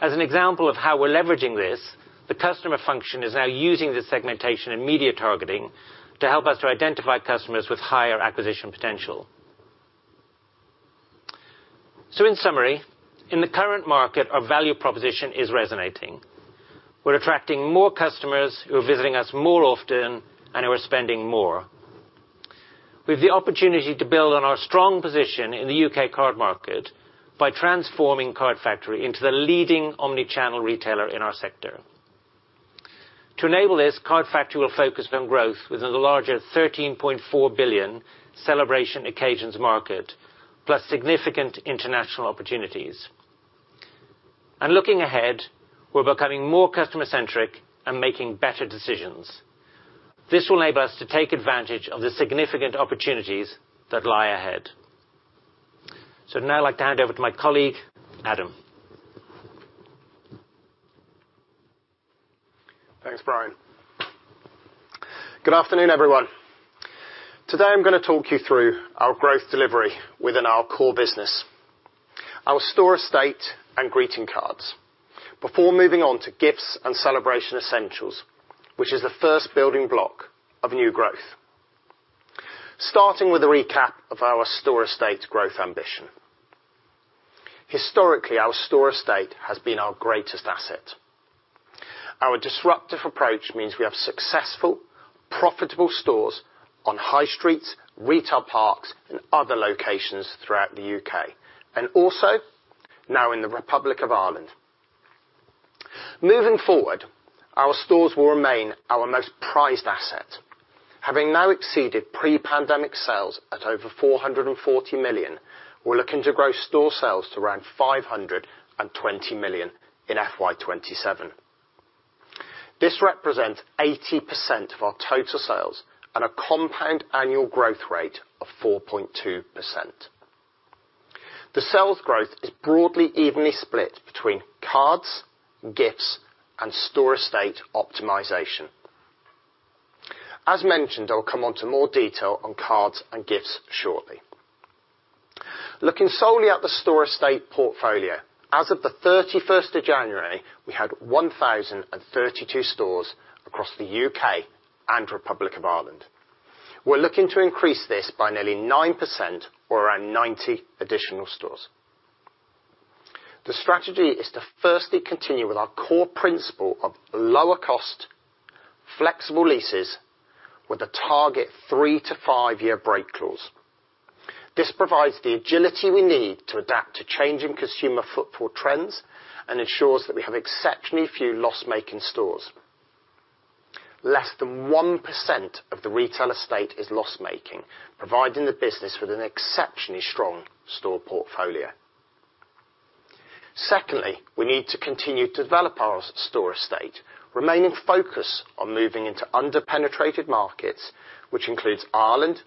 C: As an example of how we're leveraging this, the customer function is now using this segmentation and media targeting to help us to identify customers with higher acquisition potential. In summary, in the current market, our value proposition is resonating. We're attracting more customers who are visiting us more often and who are spending more. We've the opportunity to build on our strong position in the U.K. card market by transforming Card Factory into the leading omni-channel retailer in our sector. To enable this, Card Factory will focus on growth within the larger 13.4 billion celebration occasions market, plus significant international opportunities. Looking ahead, we're becoming more customer-centric and making better decisions. This will enable us to take advantage of the significant opportunities that lie ahead. Now I'd like to hand over to my colleague, Adam.
E: Thanks, Brian. Good afternoon, everyone. Today, I'm gonna talk you through our growth delivery within our core business, our store estate and greeting cards, before moving on to gifts and celebration essentials, which is the first building block of new growth. Starting with a recap of our store estate growth ambition. Historically, our store estate has been our greatest asset. Our disruptive approach means we have successful, profitable stores on high streets, retail parks, and other locations throughout the U.K., and also now in the Republic of Ireland. Moving forward, our stores will remain our most prized asset. Having now exceeded pre-pandemic sales at over 440 million, we're looking to grow store sales to around 520 million in FY 2027. This represents 80% of our total sales and a compound annual growth rate of 4.2%. The sales growth is broadly evenly split between cards, gifts, and store estate optimization. As mentioned, I'll come on to more detail on cards and gifts shortly. Looking solely at the store estate portfolio, as of the 31st of January, we had 1,032 stores across the U.K. and Republic of Ireland. We're looking to increase this by nearly 9% or around 90 additional stores. The strategy is to firstly continue with our core principle of lower cost, flexible leases with a target three-five-year break clause. This provides the agility we need to adapt to changing consumer footfall trends and ensures that we have exceptionally few loss-making stores. Less than 1% of the retail estate is loss-making, providing the business with an exceptionally strong store portfolio. We need to continue to develop our store estate, remaining focused on moving into under-penetrated markets, which includes Ireland,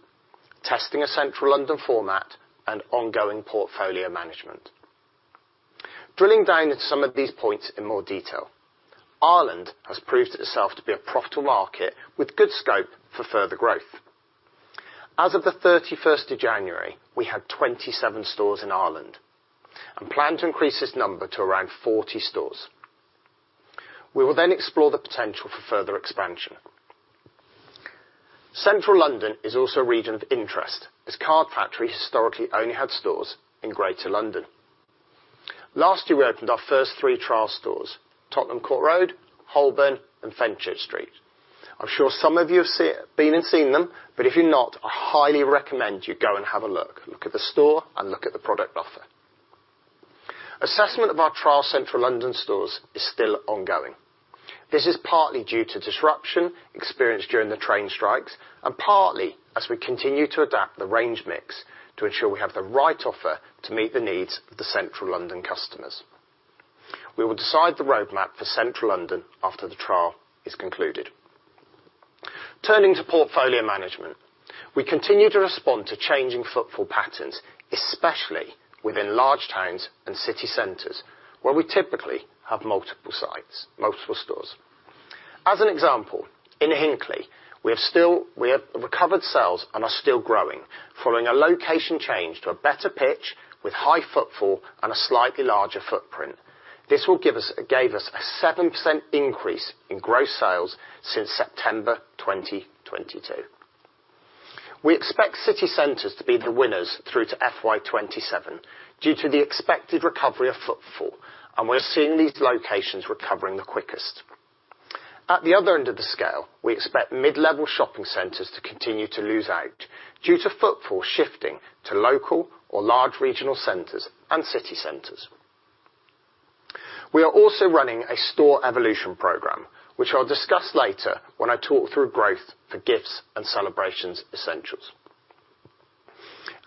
E: testing a Central London format, and ongoing portfolio management. Drilling down into some of these points in more detail, Ireland has proved itself to be a profitable market with good scope for further growth. As of the 31st of January, we had 27 stores in Ireland and plan to increase this number to around 40 stores. We will explore the potential for further expansion. Central London is also a region of interest, as Card Factory historically only had stores in Greater London. Last year, we opened our first three trial stores, Tottenham Court Road, Holborn, and Fenchurch Street. I'm sure some of you have been and seen them. If you've not, I highly recommend you go and have a look. Look at the store and look at the product offer. Assessment of our trial Central London stores is still ongoing. This is partly due to disruption experienced during the train strikes and partly as we continue to adapt the range mix to ensure we have the right offer to meet the needs of the Central London customers. We will decide the roadmap for Central London after the trial is concluded. Turning to portfolio management, we continue to respond to changing footfall patterns, especially within large towns and city centers, where we typically have multiple sites, multiple stores. As an example, in Hinckley, we have recovered sales and are still growing following a location change to a better pitch with high footfall and a slightly larger footprint. This gave us a 7% increase in gross sales since September 2022. We expect city centers to be the winners through to FY 2027 due to the expected recovery of footfall, and we're seeing these locations recovering the quickest. At the other end of the scale, we expect mid-level shopping centers to continue to lose out due to footfall shifting to local or large regional centers and city centers. We are also running a store evolution program, which I'll discuss later when I talk through growth for gifts and celebrations essentials.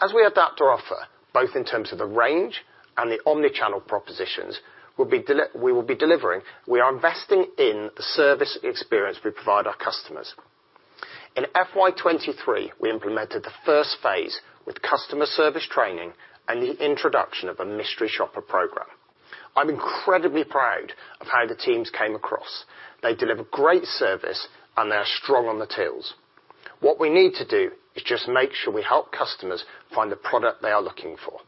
E: As we adapt our offer, both in terms of the range and the omni-channel propositions, we will be delivering, we are investing in the service experience we provide our customers. In FY 2023, we implemented the first phase with customer service training and the introduction of a mystery shopper program. I'm incredibly proud of how the teams came across. They deliver great service, and they are strong on the tills. What we need to do is just make sure we help customers find the product they are looking for.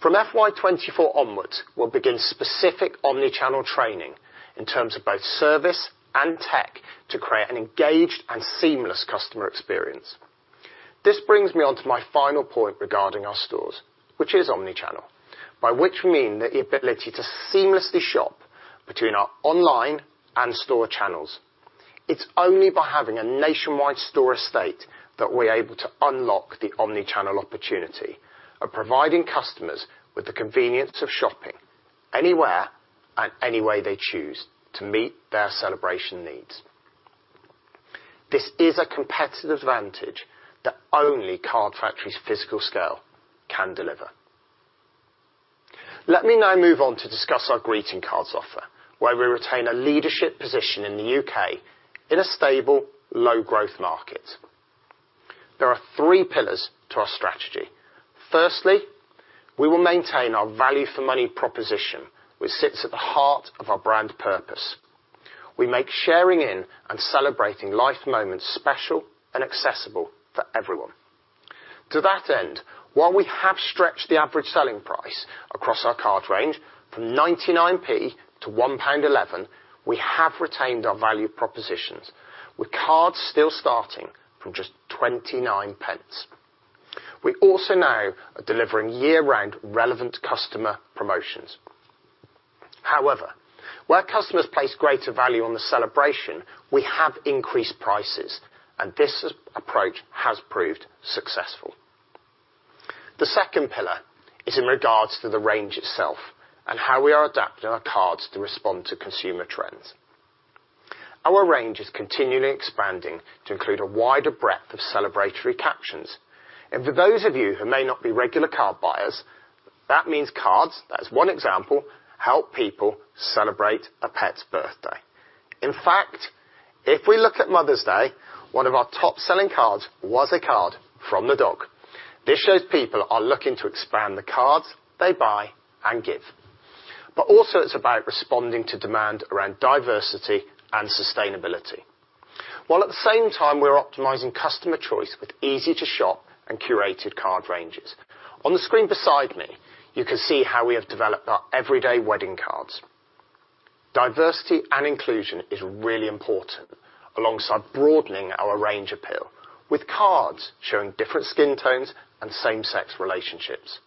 E: From FY 2024 onwards, we'll begin specific omni-channel training in terms of both service and tech to create an engaged and seamless customer experience. This brings me onto my final point regarding our stores, which is omni-channel, by which we mean the ability to seamlessly shop between our online and store channels. It's only by having a nationwide store estate that we're able to unlock the omni-channel opportunity and providing customers with the convenience of shopping anywhere and any way they choose to meet their celebration needs. This is a competitive advantage that only Card Factory's physical scale can deliver. Let me now move on to discuss our greeting cards offer, where we retain a leadership position in the U.K. in a stable, low growth market. There are three pillars to our strategy. Firstly, we will maintain our value for money proposition, which sits at the heart of our brand purpose. We make sharing in and celebrating life moments special and accessible for everyone. To that end, while we have stretched the average selling price across our card range from 0.99 to 1.11 pound, we have retained our value propositions, with cards still starting from just 0.29. We also now are delivering year-round relevant customer promotions. However, where customers place greater value on the celebration, we have increased prices, and this approach has proved successful. The second pillar is in regards to the range itself and how we are adapting our cards to respond to consumer trends. Our range is continually expanding to include a wider breadth of celebratory captions. For those of you who may not be regular card buyers, that means cards, that is one example, help people celebrate a pet's birthday. In fact, if we look at Mother's Day, one of our top-selling cards was a card from the dog. This shows people are looking to expand the cards they buy and give. Also, it's about responding to demand around diversity and sustainability. While at the same time, we're optimizing customer choice with easy-to-shop and curated card ranges. On the screen beside me, you can see how we have developed our everyday wedding cards. Diversity and inclusion is really important, alongside broadening our range appeal, with cards showing different skin tones and same-sex relationships.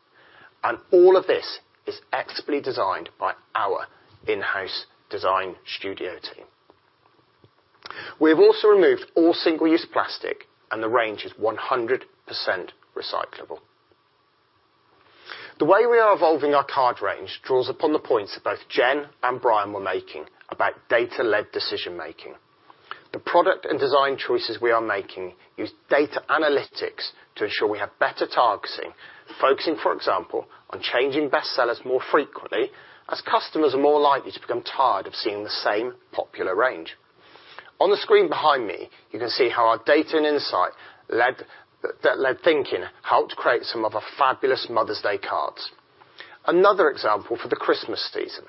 E: All of this is expertly designed by our in-house design studio team. We have also removed all single-use plastic, and the range is 100% recyclable. The way we are evolving our card range draws upon the points that both Jen and Brian were making about data-led decision making. The product and design choices we are making use data analytics to ensure we have better targeting, focusing, for example, on changing best sellers more frequently, as customers are more likely to become tired of seeing the same popular range. On the screen behind me, you can see how our data and insight-led thinking helped create some of our fabulous Mother's Day cards. Another example for the Christmas season,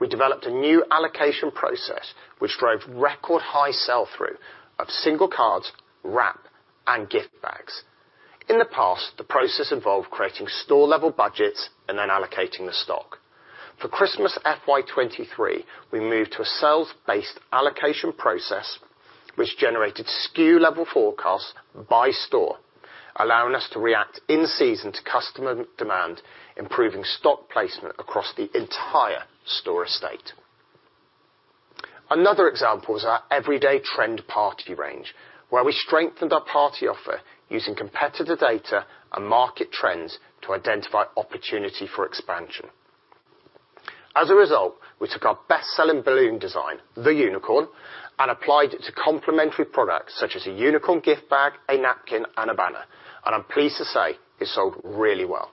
E: we developed a new allocation process which drove record high sell-through of single cards, wrap, and gift bags. In the past, the process involved creating store-level budgets and then allocating the stock. For Christmas FY 2023, we moved to a sales-based allocation process which generated SKU-level forecasts by store, allowing us to react in season to customer demand, improving stock placement across the entire store estate. Another example is our everyday trend party range, where we strengthened our party offer using competitor data and market trends to identify opportunity for expansion. As a result, we took our best-selling balloon design, the unicorn, and applied it to complementary products such as a unicorn gift bag, a napkin, and a banner. I'm pleased to say it sold really well.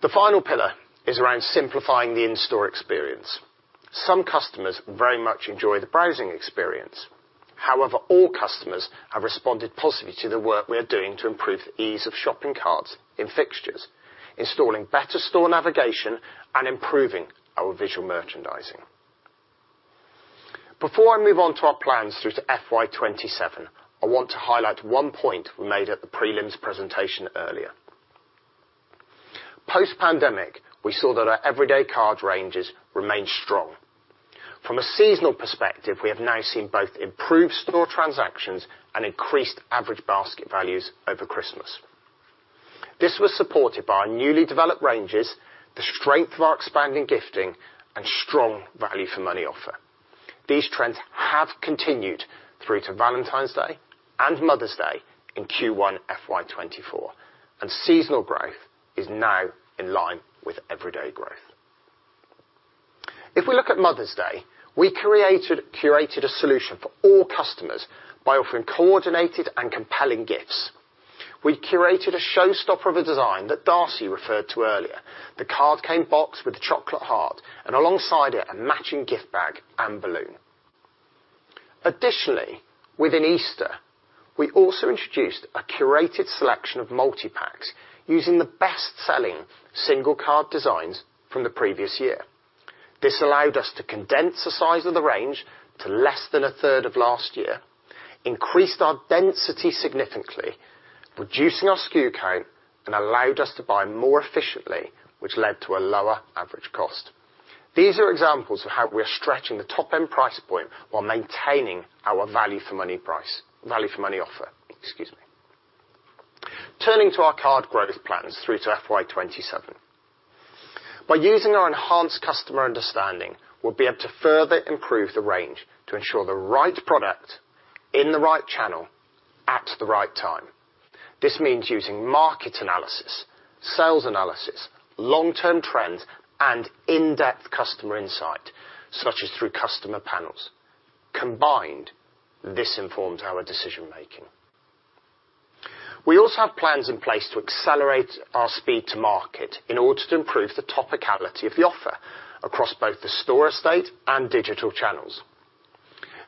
E: The final pillar is around simplifying the in-store experience. Some customers very much enjoy the browsing experience. However, all customers have responded positively to the work we are doing to improve the ease of shopping cards in fixtures, installing better store navigation, and improving our visual merchandising. Before I move on to our plans through to FY 2027, I want to highlight one point we made at the prelims presentation earlier. Post-pandemic, we saw that our everyday card ranges remained strong. From a seasonal perspective, we have now seen both improved store transactions and increased average basket values over Christmas. This was supported by our newly developed ranges, the strength of our expanding gifting, and strong value for money offer. These trends have continued through to Valentine's Day and Mother's Day in Q1 FY 2024, and seasonal growth is now in line with everyday growth. If we look at Mother's Day, we curated a solution for all customers by offering coordinated and compelling gifts. We curated a showstopper of a design that Darcy referred to earlier. The card came boxed with a chocolate heart, and alongside it, a matching gift bag and balloon. Additionally, within Easter, we also introduced a curated selection of multipacks using the best-selling single card designs from the previous year. This allowed us to condense the size of the range to less than a third of last year, increased our density significantly, reducing our SKU count, and allowed us to buy more efficiently, which led to a lower average cost. These are examples of how we're stretching the top-end price point while maintaining our value for money offer. Excuse me. Turning to our card growth plans through to FY 2027. By using our enhanced customer understanding, we'll be able to further improve the range to ensure the right product in the right channel at the right time. This means using market analysis, sales analysis, long-term trends, and in-depth customer insight, such as through customer panels. Combined, this informs our decision-making. We also have plans in place to accelerate our speed to market in order to improve the topicality of the offer across both the store estate and digital channels.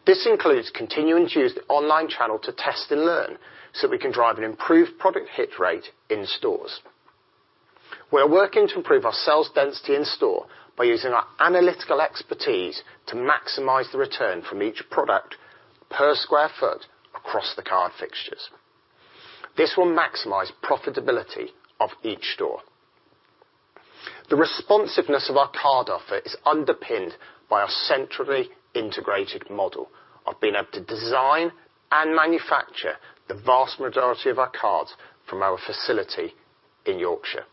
E: This includes continuing to use the online channel to test and learn, so we can drive an improved product hit rate in stores. We're working to improve our sales density in store by using our analytical expertise to maximize the return from each product per square foot across the card fixtures. This will maximize profitability of each store. The responsiveness of our card offer is underpinned by our centrally integrated model of being able to design and manufacture the vast majority of our cards from our facility in Yorkshire.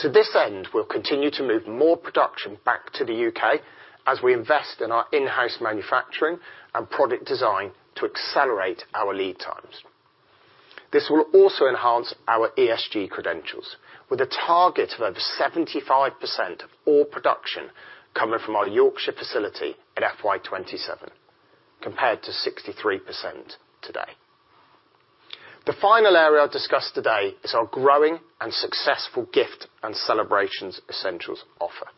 E: To this end, we'll continue to move more production back to the U.K. as we invest in our in-house manufacturing and product design to accelerate our lead times. This will also enhance our ESG credentials with a target of over 75% of all production coming from our Yorkshire facility in FY 2027, compared to 63% today. The final area I'll discuss today is our growing and successful gift and celebrations essentials offer.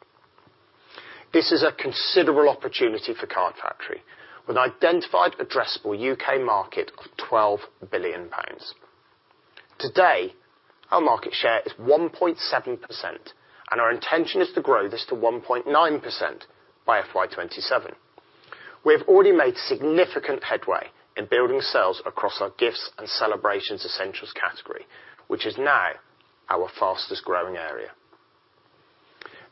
E: This is a considerable opportunity for Card Factory, with identified addressable U.K. market of 12 billion pounds. Today, our market share is 1.7%, and our intention is to grow this to 1.9% by FY 2027. We have already made significant headway in building sales across our gifts and celebrations essentials category, which is now our fastest-growing area.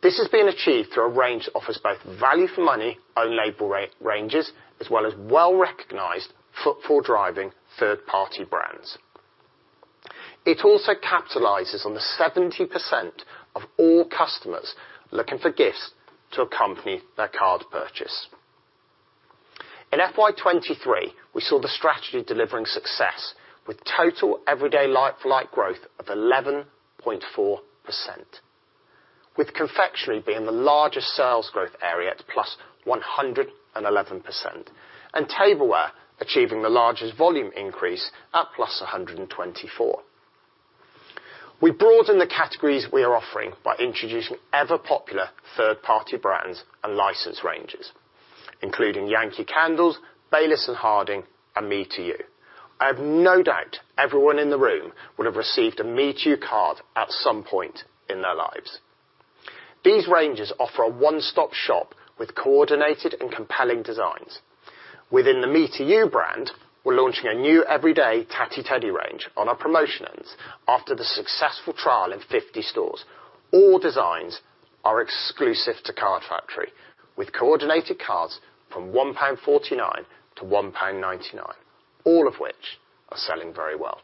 E: This has been achieved through a range that offers both value for money own label ranges, as well as well-recognized footfall-driving third-party brands. It also capitalizes on the 70% of all customers looking for gifts to accompany their card purchase. In FY 2023, we saw the strategy delivering success with total everyday like-for-like growth of 11.4%, with confectionery being the largest sales growth area at +111%, and tableware achieving the largest volume increase at +124%. We broadened the categories we are offering by introducing ever-popular third-party brands and license ranges, including Yankee Candle, Baylis & Harding, and Me to You. I have no doubt everyone in the room would have received a Me to You card at some point in their lives. These ranges offer a one-stop shop with coordinated and compelling designs. Within the Me to You brand, we're launching a new everyday Tatty Teddy range on our promotion ends after the successful trial in 50 stores. All designs are exclusive to Card Factory, with coordinated cards from 1.49 pound to 1.99 pound, all of which are selling very well.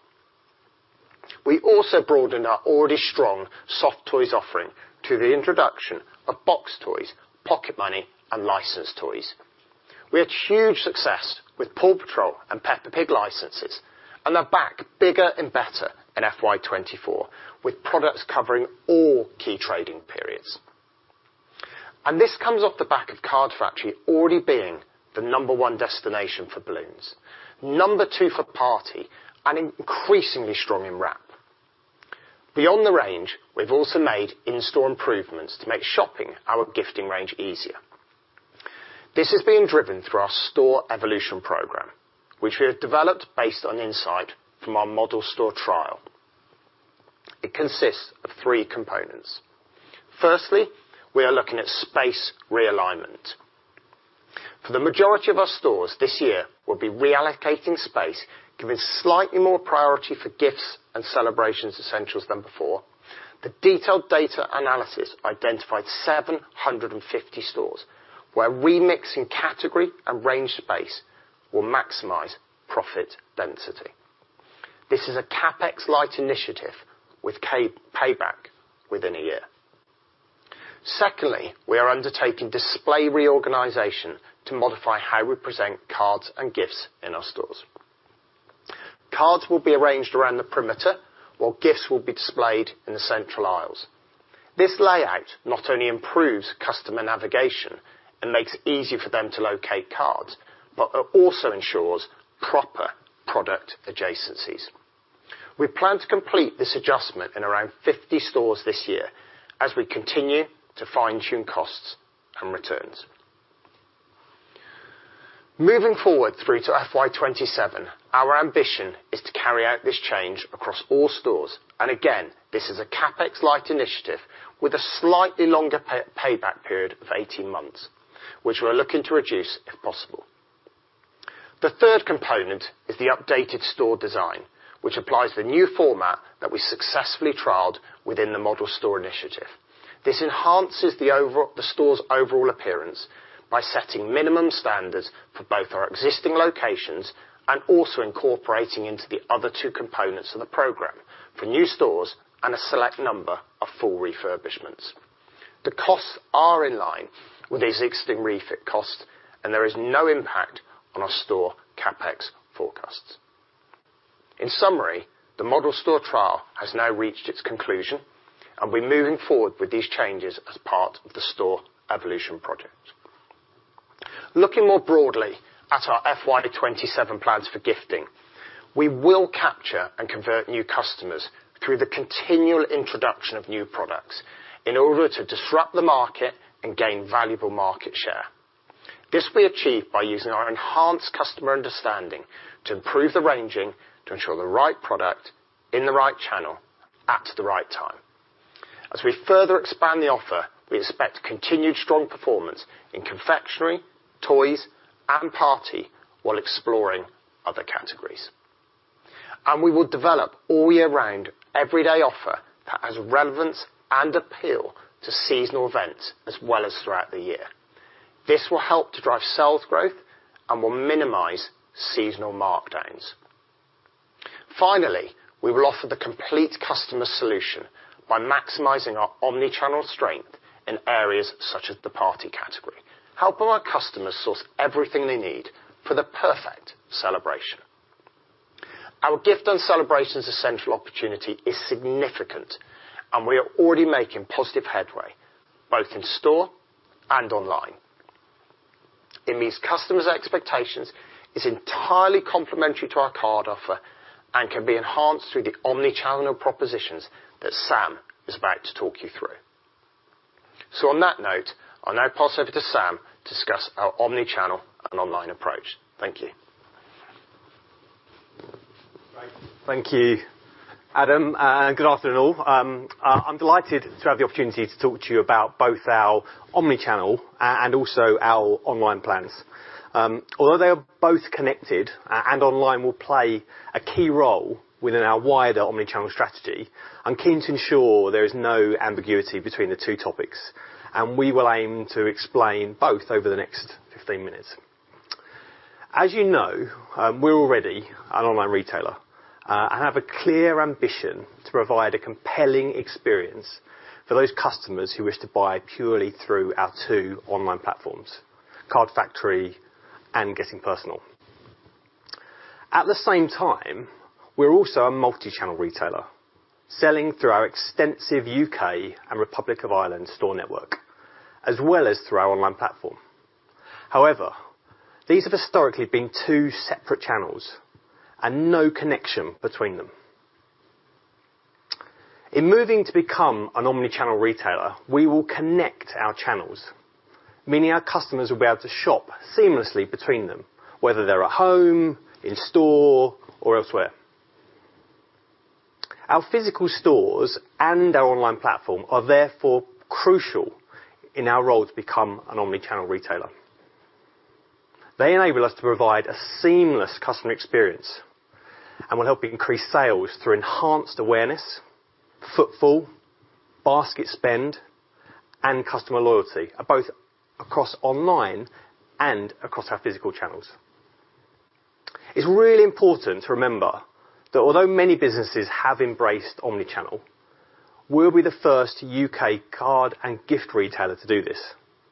E: We also broadened our already strong soft toys offering through the introduction of boxed toys, pocket money, and licensed toys. They're back bigger and better in FY 2024, with products covering all key trading periods. This comes off the back of Card Factory already being the number one destination for balloons, number two for party, and increasingly strong in wrap. Beyond the range, we've also made in-store improvements to make shopping our gifting range easier. This is being driven through our store evolution program, which we have developed based on insight from our model store trial. It consists of three components. Firstly, we are looking at space realignment. For the majority of our stores this year, we'll be reallocating space, giving slightly more priority for gifts and celebrations essentials than before. The detailed data analysis identified 750 stores where remixing category and range space will maximize profit density. This is a CapEx-light initiative with payback within a year. We are undertaking display reorganization to modify how we present cards and gifts in our stores. Cards will be arranged around the perimeter, while gifts will be displayed in the central aisles. This layout not only improves customer navigation and makes it easier for them to locate cards, but it also ensures proper product adjacencies. We plan to complete this adjustment in around 50 stores this year as we continue to fine-tune costs and returns. Moving forward through to FY 2027, our ambition is to carry out this change across all stores. Again, this is a CapEx light initiative with a slightly longer payback period of 18 months, which we are looking to reduce if possible. The third component is the updated store design, which applies the new format that we successfully trialed within the model store initiative. This enhances the store's overall appearance by setting minimum standards for both our existing locations and also incorporating into the other two components of the program for new stores and a select number of full refurbishments. The costs are in line with existing refit costs, and there is no impact on our store CapEx forecasts. In summary, the model store trial has now reached its conclusion, and we're moving forward with these changes as part of the store evolution project. Looking more broadly at our FY 2027 plans for gifting, we will capture and convert new customers through the continual introduction of new products in order to disrupt the market and gain valuable market share. This will be achieved by using our enhanced customer understanding to improve the ranging to ensure the right product in the right channel at the right time. As we further expand the offer, we expect continued strong performance in confectionery, toys, and party while exploring other categories. We will develop all year round everyday offer that has relevance and appeal to seasonal events as well as throughout the year. This will help to drive sales growth and will minimize seasonal markdowns. Finally, we will offer the complete customer solution by maximizing our omni-channel strength in areas such as the party category, helping our customers source everything they need for the perfect celebration. Our gift and celebrations essential opportunity is significant, and we are already making positive headway both in store and online. It meets customers' expectations, is entirely complementary to our card offer, and can be enhanced through the omni-channel propositions that Sam is about to talk you through. On that note, I'll now pass over to Sam to discuss our omni-channel and online approach. Thank you.
F: Right. Thank you, Adam, and good afternoon all. I'm delighted to have the opportunity to talk to you about both our omni-channel and also our online plans. Although they are both connected and online will play a key role within our wider omni-channel strategy, I'm keen to ensure there is no ambiguity between the two topics. We will aim to explain both over the next 15 minutes. As you know, we're already an online retailer and have a clear ambition to provide a compelling experience for those customers who wish to buy purely through our two online platforms, Card Factory and Getting Personal. At the same time, we're also a multi-channel retailer, selling through our extensive U.K. and Republic of Ireland store network, as well as through our online platform. These have historically been two separate channels and no connection between them. In moving to become an omni-channel retailer, we will connect our channels, meaning our customers will be able to shop seamlessly between them, whether they're at home, in store or elsewhere. Our physical stores and our online platform are therefore crucial in our role to become an omni-channel retailer. They enable us to provide a seamless customer experience and will help increase sales through enhanced awareness, footfall, basket spend, and customer loyalty, both across online and across our physical channels. It's really important to remember that although many businesses have embraced omni-channel, we'll be the first U.K. card and gift retailer to do this,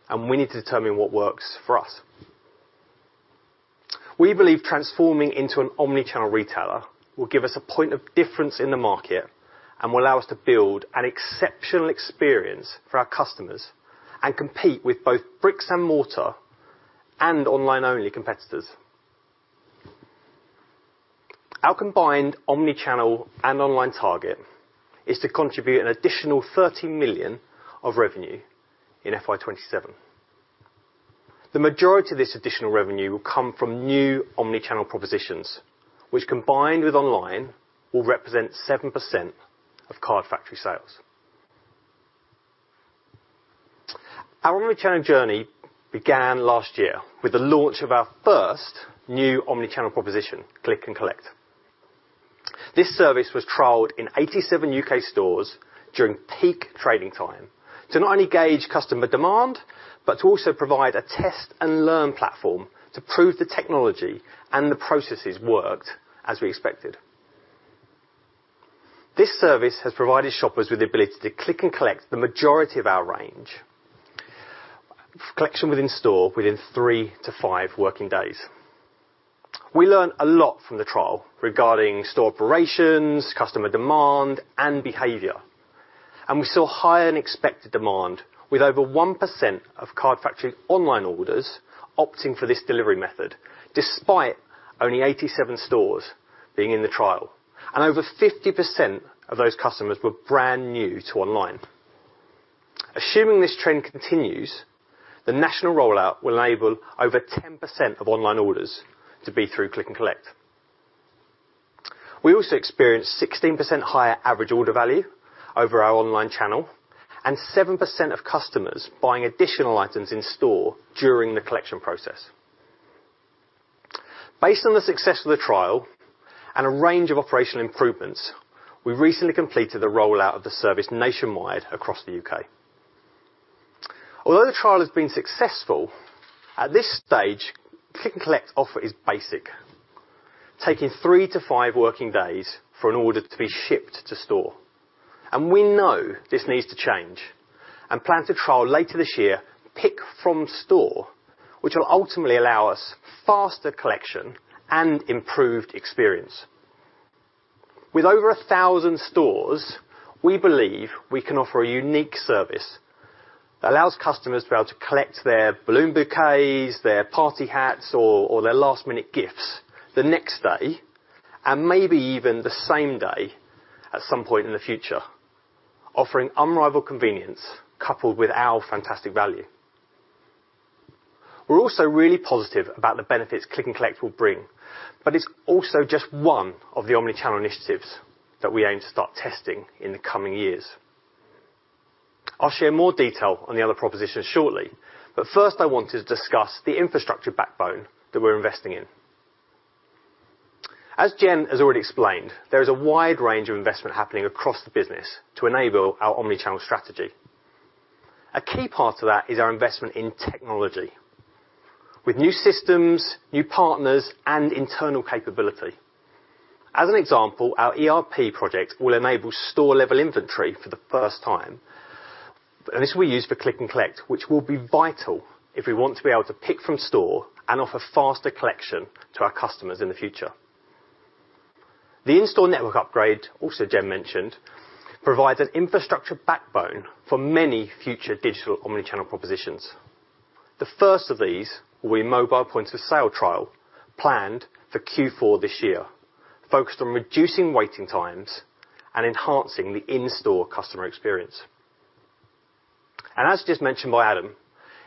F: and we need to determine what works for us. We believe transforming into an omni-channel retailer will give us a point of difference in the market and will allow us to build an exceptional experience for our customers and compete with both bricks and mortar and online-only competitors. Our combined omni-channel and online target is to contribute an additional 30 million of revenue in FY 2027. The majority of this additional revenue will come from new omni-channel propositions, which combined with online, will represent 7% of Card Factory sales. Our omni-channel journey began last year with the launch of our first new omni-channel proposition, Click and Collect. This service was trialed in 87 U.K. stores during peak trading time to not only gauge customer demand, but to also provide a test and learn platform to prove the technology and the processes worked as we expected. This service has provided shoppers with the ability to Click and Collect the majority of our range for collection within store within three-five working days. We learned a lot from the trial regarding store operations, customer demand and behavior. We saw higher than expected demand with over 1% of Card Factory online orders opting for this delivery method, despite only 87 stores being in the trial. Over 50% of those customers were brand new to online. Assuming this trend continues, the national rollout will enable over 10% of online orders to be through Click and Collect. We also experienced 16% higher average order value over our online channel and 7% of customers buying additional items in store during the collection process. Based on the success of the trial and a range of operational improvements, we recently completed the rollout of the service nationwide across the U.K. Although the trial has been successful, at this stage, Click and Collect offer is basic, taking three-five working days for an order to be shipped to store. We know this needs to change and plan to trial later this year, pick from store, which will ultimately allow us faster collection and improved experience. With over 1,000 stores, we believe we can offer a unique service that allows customers to be able to collect their balloon bouquets, their party hats or their last-minute gifts the next day, and maybe even the same day at some point in the future, offering unrivaled convenience coupled with our fantastic value. We're also really positive about the benefits Click and Collect will bring, but it's also just one of the omni-channel initiatives that we aim to start testing in the coming years. I'll share more detail on the other propositions shortly, but first I want to discuss the infrastructure backbone that we're investing in. As Jen has already explained, there is a wide range of investment happening across the business to enable our omni-channel strategy. A key part of that is our investment in technology with new systems, new partners, and internal capability. As an example, our ERP project will enable store-level inventory for the first time. This will use for Click and Collect, which will be vital if we want to be able to pick from store and offer faster collection to our customers in the future. The in-store network upgrade, also Jen mentioned, provides an infrastructure backbone for many future digital omni-channel propositions. The first of these will be mobile point of sale trial planned for Q4 this year, focused on reducing waiting times and enhancing the in-store customer experience. As just mentioned by Adam,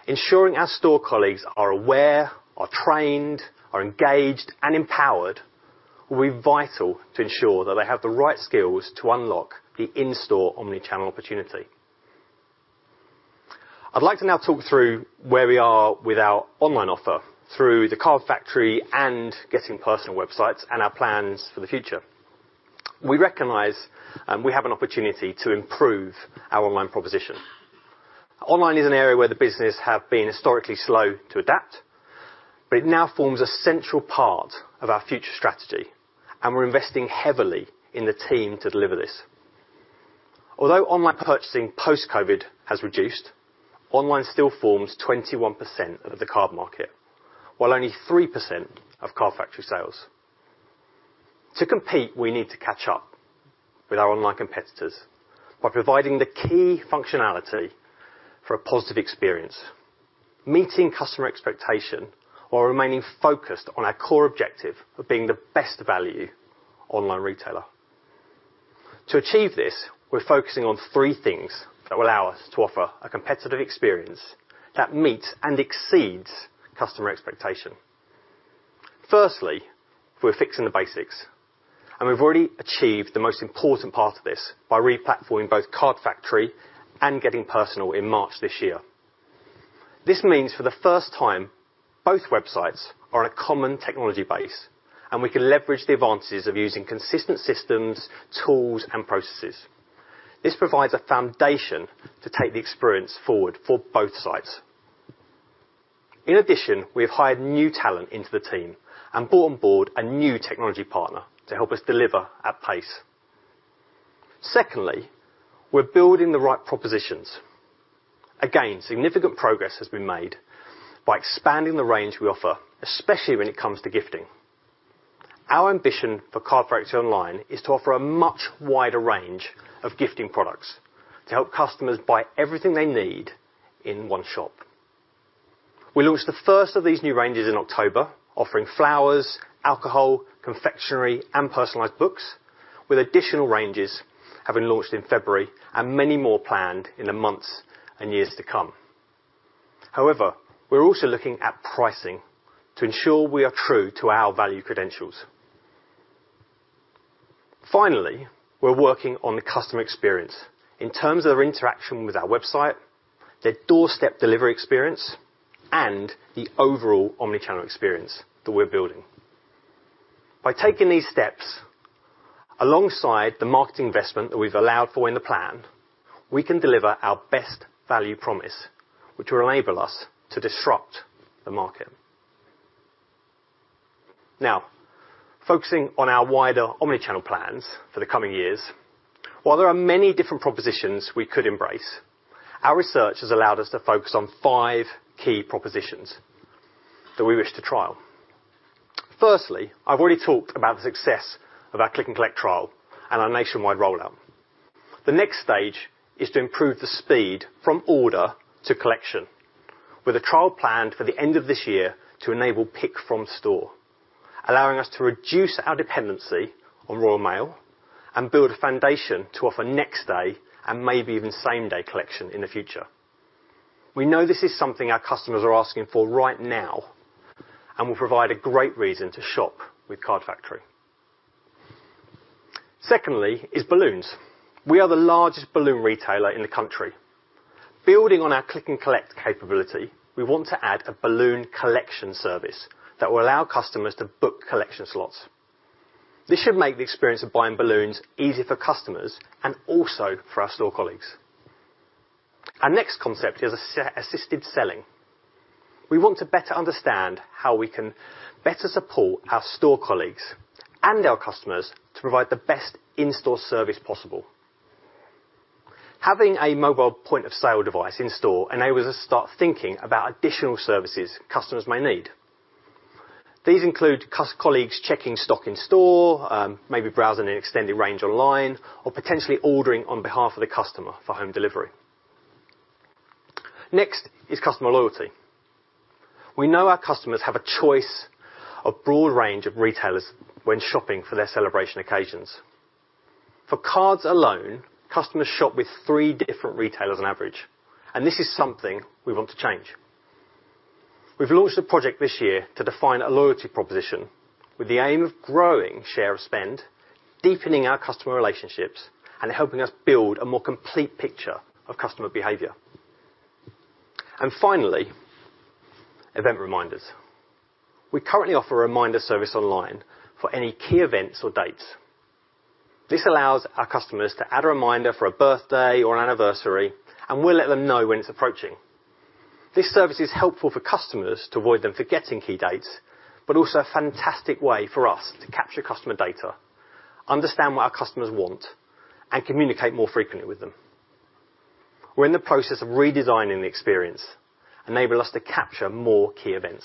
F: ensuring our store colleagues are aware, are trained, are engaged, and empowered will be vital to ensure that they have the right skills to unlock the in-store omni-channel opportunity. I'd like to now talk through where we are with our online offer through the Card Factory and Getting Personal websites and our plans for the future. We recognize we have an opportunity to improve our online proposition. Online is an area where the business have been historically slow to adapt, but it now forms an essential part of our future strategy, and we're investing heavily in the team to deliver this. Although online purchasing post-COVID has reduced, online still forms 21% of the card market, while only 3% of Card Factory sales. To compete, we need to catch up with our online competitors by providing the key functionality for a positive experience, meeting customer expectation while remaining focused on our core objective of being the best value online retailer. To achieve this, we're focusing on three things that will allow us to offer a competitive experience that meets and exceeds customer expectation. Firstly, we're fixing the basics, and we've already achieved the most important part of this by re-platforming both Card Factory and Getting Personal in March this year. This means for the first time, both websites are on a common technology base, and we can leverage the advances of using consistent systems, tools, and processes. This provides a foundation to take the experience forward for both sites. In addition, we have hired new talent into the team and brought on board a new technology partner to help us deliver at pace. Secondly, we're building the right propositions. Again, significant progress has been made by expanding the range we offer, especially when it comes to gifting. Our ambition for Card Factory online is to offer a much wider range of gifting products to help customers buy everything they need in one shop. We launched the first of these new ranges in October, offering flowers, alcohol, confectionery, and personalized books, with additional ranges having launched in February and many more planned in the months and years to come. We're also looking at pricing to ensure we are true to our value credentials. Finally, we're working on the customer experience in terms of their interaction with our website, their doorstep delivery experience, and the overall omni-channel experience that we're building. By taking these steps alongside the marketing investment that we've allowed for in the plan, we can deliver our best value promise, which will enable us to disrupt the market. Focusing on our wider omni-channel plans for the coming years. While there are many different propositions we could embrace, our research has allowed us to focus on five key propositions that we wish to trial. Firstly, I've already talked about the success of our Click and Collect trial and our nationwide rollout. The next stage is to improve the speed from order to collection with a trial planned for the end of this year to enable pick from store. Allowing us to reduce our dependency on Royal Mail and build a foundation to offer next day and maybe even same-day collection in the future. We know this is something our customers are asking for right now and will provide a great reason to shop with Card Factory. Secondly is balloons. We are the largest balloon retailer in the country. Building on our Click and Collect capability, we want to add a balloon collection service that will allow customers to book collection slots. This should make the experience of buying balloons easier for customers and also for our store colleagues. Our next concept is assisted selling. We want to better understand how we can better support our store colleagues and our customers to provide the best in-store service possible. Having a mobile point of sale device in store enables us to start thinking about additional services customers may need. These include colleagues checking stock in store, maybe browsing the extended range online, or potentially ordering on behalf of the customer for home delivery. Next is customer loyalty. We know our customers have a choice of broad range of retailers when shopping for their celebration occasions. For cards alone, customers shop with three different retailers on average, and this is something we want to change. We've launched a project this year to define a loyalty proposition with the aim of growing share of spend, deepening our customer relationships, and helping us build a more complete picture of customer behavior. Finally, event reminders. We currently offer a reminder service online for any key events or dates. This allows our customers to add a reminder for a birthday or an anniversary, and we'll let them know when it's approaching. This service is helpful for customers to avoid them forgetting key dates, but also a fantastic way for us to capture customer data, understand what our customers want, and communicate more frequently with them. We're in the process of redesigning the experience, enabling us to capture more key events.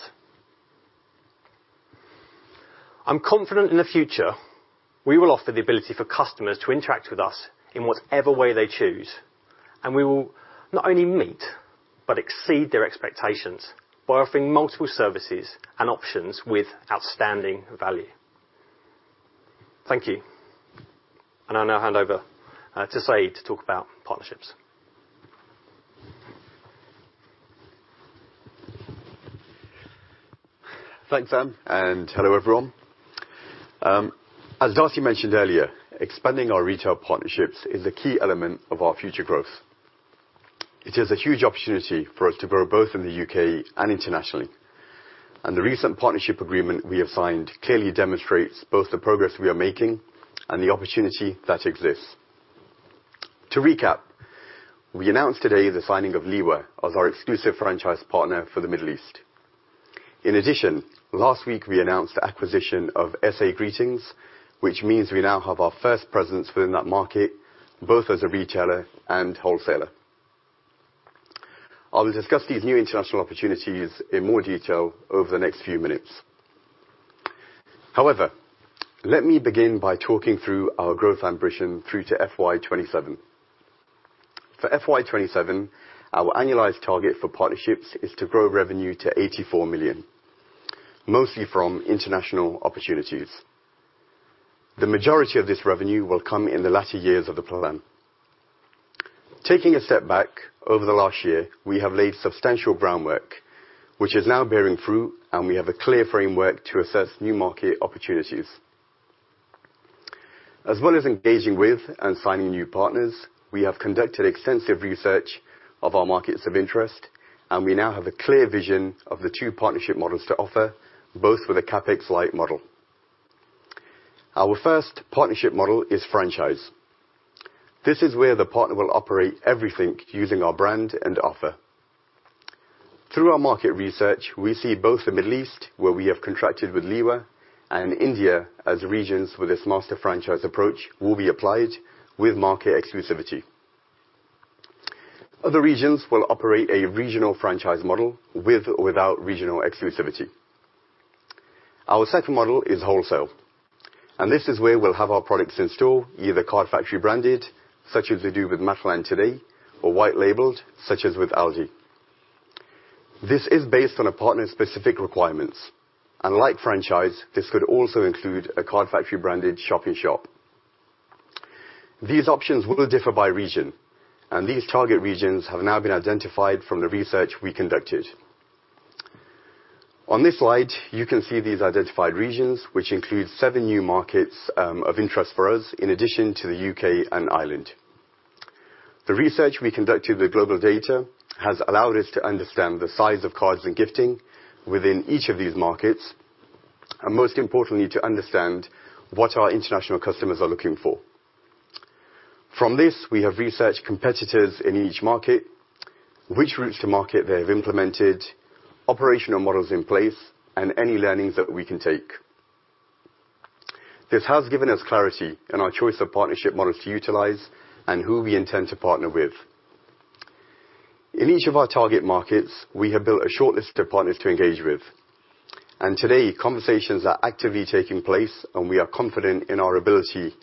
F: I'm confident in the future we will offer the ability for customers to interact with us in whatever way they choose, and we will not only meet, but exceed their expectations by offering multiple services and options with outstanding value. Thank you. I now hand over to Syed to talk about partnerships.
G: Thanks, Sam, hello, everyone. As Darcy mentioned earlier, expanding our retail partnerships is a key element of our future growth. It is a huge opportunity for us to grow both in the U.K. and internationally, and the recent partnership agreement we have signed clearly demonstrates both the progress we are making and the opportunity that exists. To recap, we announced today the signing of Liwa as our exclusive franchise partner for the Middle East. In addition, last week we announced the acquisition of SA Greetings, which means we now have our first presence within that market, both as a retailer and wholesaler. I will discuss these new international opportunities in more detail over the next few minutes. However, let me begin by talking through our growth ambition through to FY 2027. For FY 2027, our annualized target for partnerships is to grow revenue to 84 million, mostly from international opportunities. The majority of this revenue will come in the latter years of the plan. Taking a step back over the last year, we have laid substantial groundwork, which is now bearing fruit, and we have a clear framework to assess new market opportunities. As well as engaging with and signing new partners, we have conducted extensive research of our markets of interest, and we now have a clear vision of the two partnership models to offer, both with a CapEx-light model. Our first partnership model is franchise. This is where the partner will operate everything using our brand and offer. Through our market research, we see both the Middle East, where we have contracted with Liwa, and India as regions where this master franchise approach will be applied with market exclusivity. Other regions will operate a regional franchise model with or without regional exclusivity. Our second model is wholesale, and this is where we'll have our products in store, either Card Factory branded, such as they do with Matalan today, or white-labeled, such as with Aldi. This is based on a partner's specific requirements, and like franchise, this could also include a Card Factory branded shop-in-shop. These options will differ by region, and these target regions have now been identified from the research we conducted. On this slide, you can see these identified regions, which include seven new markets of interest for us in addition to the U.K. and Ireland. The research we conducted with GlobalData has allowed us to understand the size of cards and gifting within each of these markets and, most importantly, to understand what our international customers are looking for. From this, we have researched competitors in each market, which routes to market they have implemented, operational models in place, and any learnings that we can take. This has given us clarity in our choice of partnership models to utilize and who we intend to partner with. In each of our target markets, we have built a shortlist of partners to engage with, and today, conversations are actively taking place, and we are confident in our ability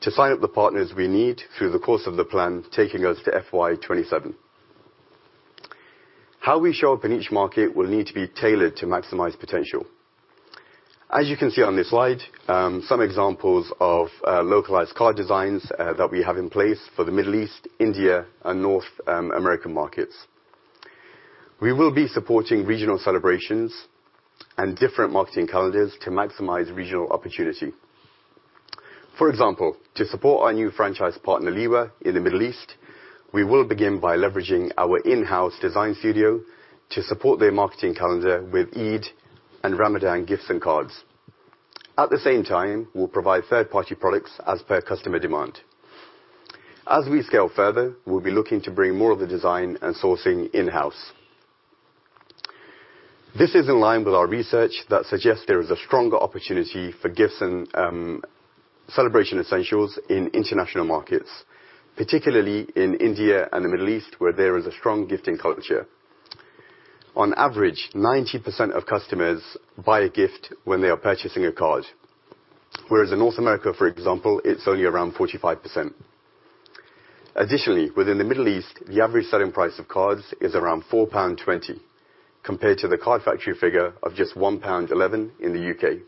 G: to sign up the partners we need through the course of the plan, taking us to FY 2027. How we show up in each market will need to be tailored to maximize potential. As you can see on this slide, some examples of localized card designs that we have in place for the Middle East, India, and North American markets. We will be supporting regional celebrations and different marketing calendars to maximize regional opportunity. For example, to support our new franchise partner Liwa in the Middle East, we will begin by leveraging our in-house design studio to support their marketing calendar with Eid and Ramadan gifts and cards. At the same time, we'll provide third-party products as per customer demand. As we scale further, we'll be looking to bring more of the design and sourcing in-house. This is in line with our research that suggests there is a stronger opportunity for gifts and celebration essentials in international markets, particularly in India and the Middle East, where there is a strong gifting culture. On average, 90% of customers buy a gift when they are purchasing a card, whereas in North America, for example, it's only around 45%. Additionally, within the Middle East, the average selling price of cards is around 4.20 pound, compared to the Card Factory figure of just 1.11 pound in the U.K.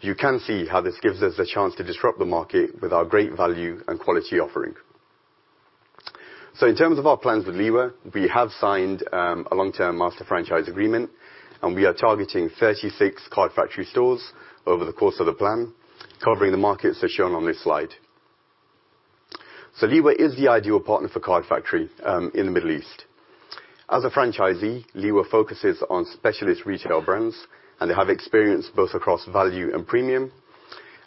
G: You can see how this gives us a chance to disrupt the market with our great value and quality offering. In terms of our plans with Liwa, we have signed a long-term master franchise agreement, and we are targeting 36 Card Factory stores over the course of the plan, covering the markets as shown on this slide. Liwa is the ideal partner for Card Factory, in the Middle East. As a franchisee, Liwa focuses on specialist retail brands, and they have experience both across value and premium.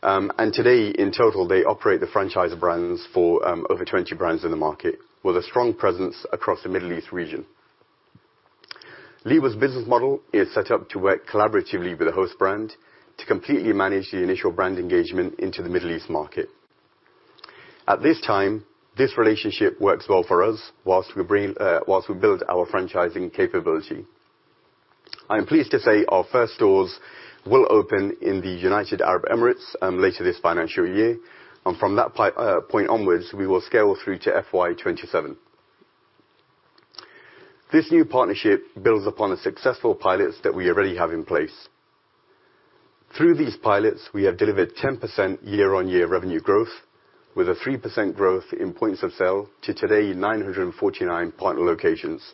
G: Today, in total, they operate the franchise brands for over 20 brands in the market, with a strong presence across the Middle East region. Liwa's business model is set up to work collaboratively with the host brand to completely manage the initial brand engagement into the Middle East market. At this time, this relationship works well for us whilst we build our franchising capability. I am pleased to say our first stores will open in the United Arab Emirates later this financial year, and from that point onwards, we will scale through to FY 2027. This new partnership builds upon the successful pilots that we already have in place. Through these pilots, we have delivered 10% year-on-year revenue growth with a 3% growth in points of sale to today 949 partner locations.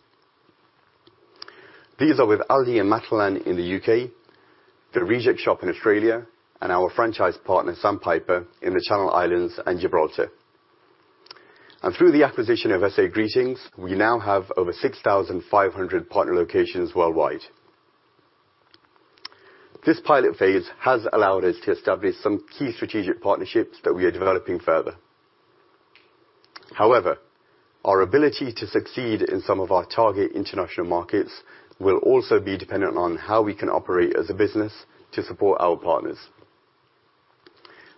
G: These are with Aldi and Matalan in the U.K., The Reject Shop in Australia, and our franchise partner Sandpiper in the Channel Islands and Gibraltar. Through the acquisition of SA Greetings, we now have over 6,500 partner locations worldwide. This pilot phase has allowed us to establish some key strategic partnerships that we are developing further. Our ability to succeed in some of our target international markets will also be dependent on how we can operate as a business to support our partners,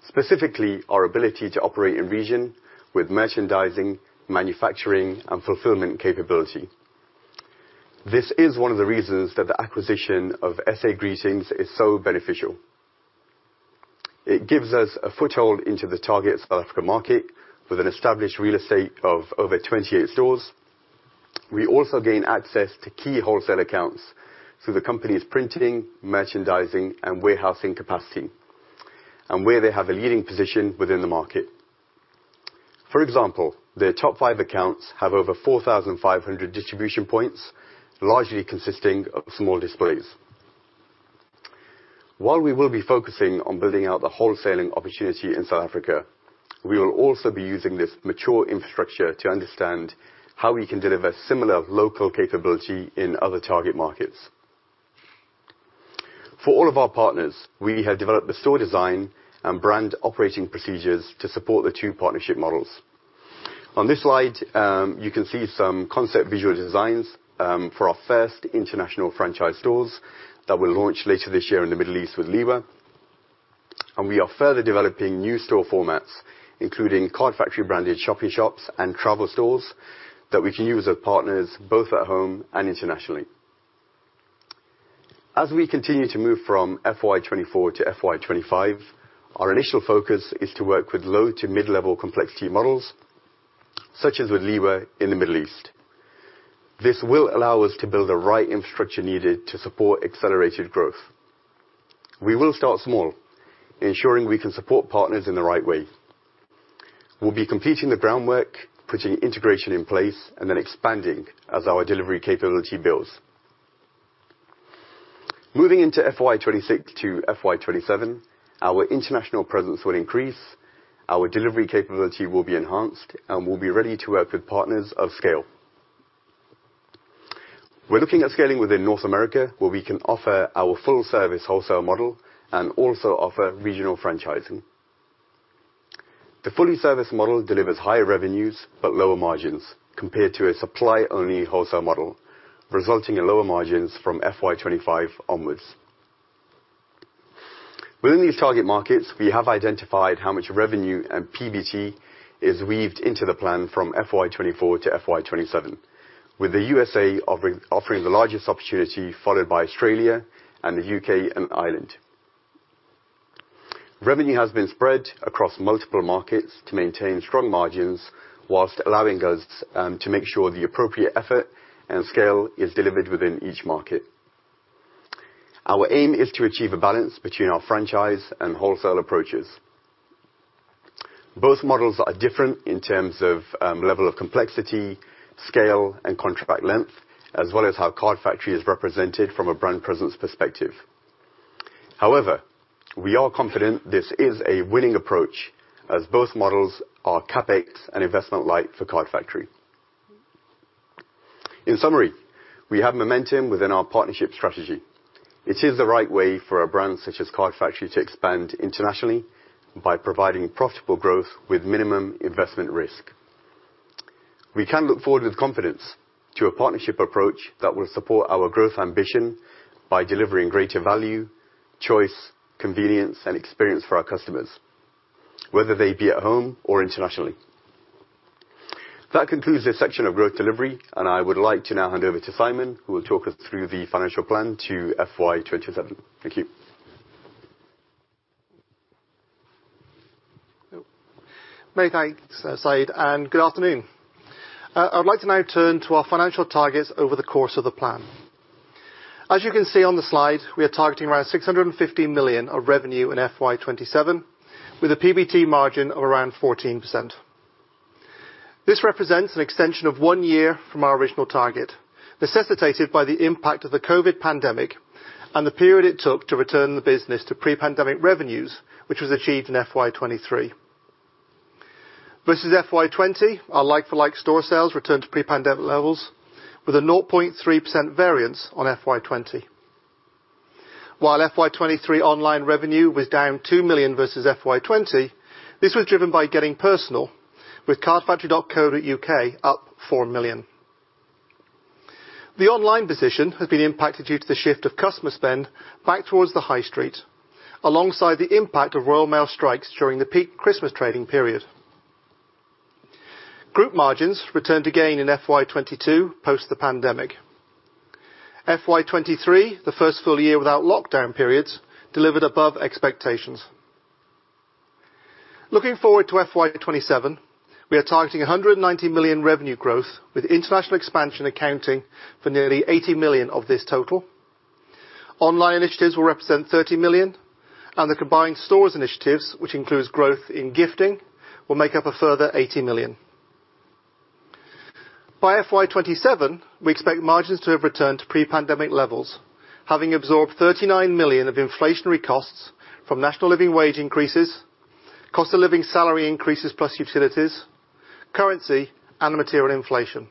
G: specifically our ability to operate in region with merchandising, manufacturing, and fulfillment capability. This is one of the reasons that the acquisition of SA Greetings is so beneficial. It gives us a foothold into the target South Africa market with an established real estate of over 28 stores. We also gain access to key wholesale accounts through the company's printing, merchandising, and warehousing capacity, and where they have a leading position within the market. For example, their top five accounts have over 4,500 distribution points, largely consisting of small displays. While we will be focusing on building out the wholesaling opportunity in South Africa, we will also be using this mature infrastructure to understand how we can deliver similar local capability in other target markets. For all of our partners, we have developed the store design and brand operating procedures to support the two partnership models. On this slide, you can see some concept visual designs for our first international franchise stores that will launch later this year in the Middle East with Liwa. We are further developing new store formats, including Card Factory-branded shop-in-shops and travel stores that we can use as partners both at home and internationally. As we continue to move from FY 2024 to FY 2025, our initial focus is to work with low to mid-level complexity models, such as with Liwa in the Middle East. This will allow us to build the right infrastructure needed to support accelerated growth. We will start small, ensuring we can support partners in the right way. We'll be completing the groundwork, putting integration in place, and then expanding as our delivery capability builds. Moving into FY 2026 to FY 2027, our international presence will increase, our delivery capability will be enhanced, and we'll be ready to work with partners of scale. We're looking at scaling within North America, where we can offer our full-service wholesale model and also offer regional franchising. The fully serviced model delivers higher revenues but lower margins compared to a supply-only wholesale model, resulting in lower margins from FY 2025 onwards. Within these target markets, we have identified how much revenue and PBT is weaved into the plan from FY 2024 to FY 2027, with the USA offering the largest opportunity, followed by Australia and the U.K. and Ireland. Revenue has been spread across multiple markets to maintain strong margins while allowing us to make sure the appropriate effort and scale is delivered within each market. Our aim is to achieve a balance between our franchise and wholesale approaches. Both models are different in terms of level of complexity, scale, and contract length, as well as how Card Factory is represented from a brand presence perspective. However, we are confident this is a winning approach, as both models are CapEx and investment light for Card Factory. In summary, we have momentum within our partnership strategy. It is the right way for a brand such as Card Factory to expand internationally by providing profitable growth with minimum investment risk. We can look forward with confidence to a partnership approach that will support our growth ambition by delivering greater value, choice, convenience, and experience for our customers, whether they be at home or internationally. That concludes this section of growth delivery. I would like to now hand over to Simon, who will talk us through the financial plan to FY 2027. Thank you.
H: Many thanks, Syed, good afternoon. I would like to now turn to our financial targets over the course of the plan. As you can see on the slide, we are targeting around 650 million of revenue in FY 2027, with a PBT margin of around 14%. This represents an extension of one year from our original target, necessitated by the impact of the COVID pandemic and the period it took to return the business to pre-pandemic revenues, which was achieved in FY 2023. Versus FY 2020, our like-for-like store sales returned to pre-pandemic levels with a 0.3% variance on FY 2020. FY 2023 online revenue was down 2 million versus FY 2020, this was driven by Getting Personal with cardfactory.co.uk up 4 million. The online position has been impacted due to the shift of customer spend back towards the high street, alongside the impact of Royal Mail strikes during the peak Christmas trading period. Group margins returned again in FY 2022 post the pandemic. FY 2023, the first full year without lockdown periods, delivered above expectations. Looking forward to FY 2027, we are targeting 190 million revenue growth with international expansion accounting for nearly 80 million of this total. Online initiatives will represent 30 million, and the combined stores initiatives, which includes growth in gifting, will make up a further 80 million. By FY 2027, we expect margins to have returned to pre-pandemic levels, having absorbed 39 million of inflationary costs from National Living Wage increases, cost of living salary increases plus utilities, currency, and material inflation.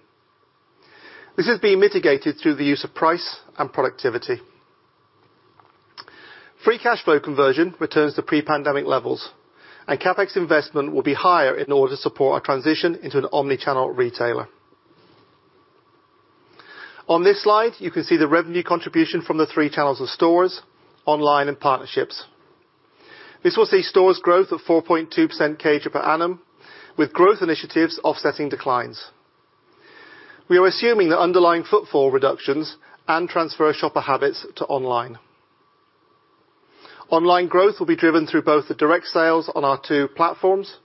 H: This is being mitigated through the use of price and productivity. Free cash flow conversion returns to pre-pandemic levels. CapEx investment will be higher in order to support our transition into an omni-channel retailer. On this slide, you can see the revenue contribution from the three channels of stores, online and partnerships. This will see stores growth of 4.2% CAGR per annum, with growth initiatives offsetting declines. We are assuming that underlying footfall reductions and transfer of shopper habits to online. Online growth will be driven through both the direct sales on our two platforms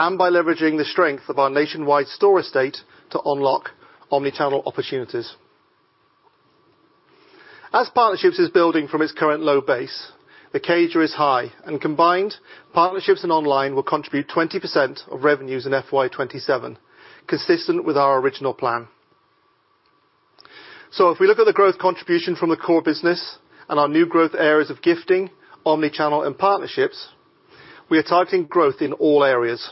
H: and by leveraging the strength of our nationwide store estate to unlock omni-channel opportunities. As partnerships is building from its current low base, the CAGR is high and combined partnerships and online will contribute 20% of revenues in FY 2027, consistent with our original plan. If we look at the growth contribution from the core business and our new growth areas of gifting, omni-channel and partnerships, we are targeting growth in all areas.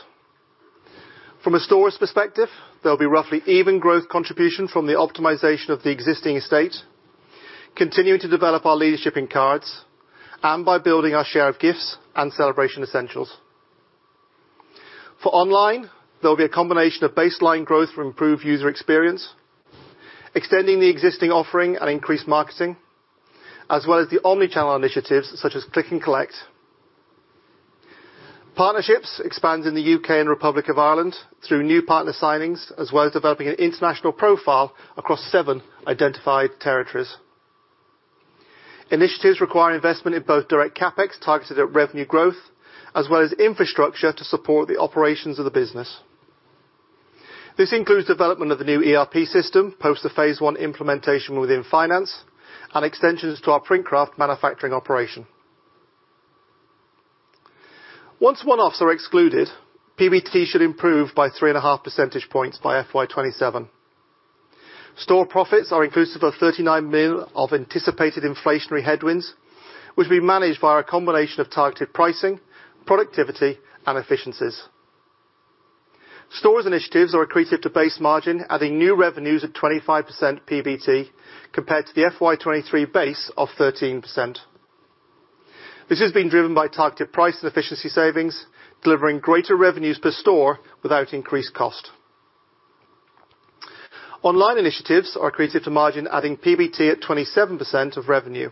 H: From a stores perspective, there'll be roughly even growth contribution from the optimization of the existing estate, continuing to develop our leadership in cards, and by building our share of gifts and celebration essentials. For online, there'll be a combination of baseline growth from improved user experience, extending the existing offering and increased marketing, as well as the omni-channel initiatives such as Click and Collect. Partnerships expands in the U.K. and Republic of Ireland through new partner signings, as well as developing an international profile across seven identified territories. Initiatives require investment in both direct CapEx targeted at revenue growth, as well as infrastructure to support the operations of the business. This includes development of the new ERP system, post the phase one implementation within finance and extensions to our Printcraft manufacturing operation. Once one-offs are excluded, PBT should improve by 3.5 percentage points by FY 2027. Store profits are inclusive of 39 million of anticipated inflationary headwinds, which we manage via a combination of targeted pricing, productivity, and efficiencies. Stores initiatives are accretive to base margin, adding new revenues at 25% PBT compared to the FY 2023 base of 13%. This is being driven by targeted price and efficiency savings, delivering greater revenues per store without increased cost. Online initiatives are accretive to margin, adding PBT at 27% of revenue.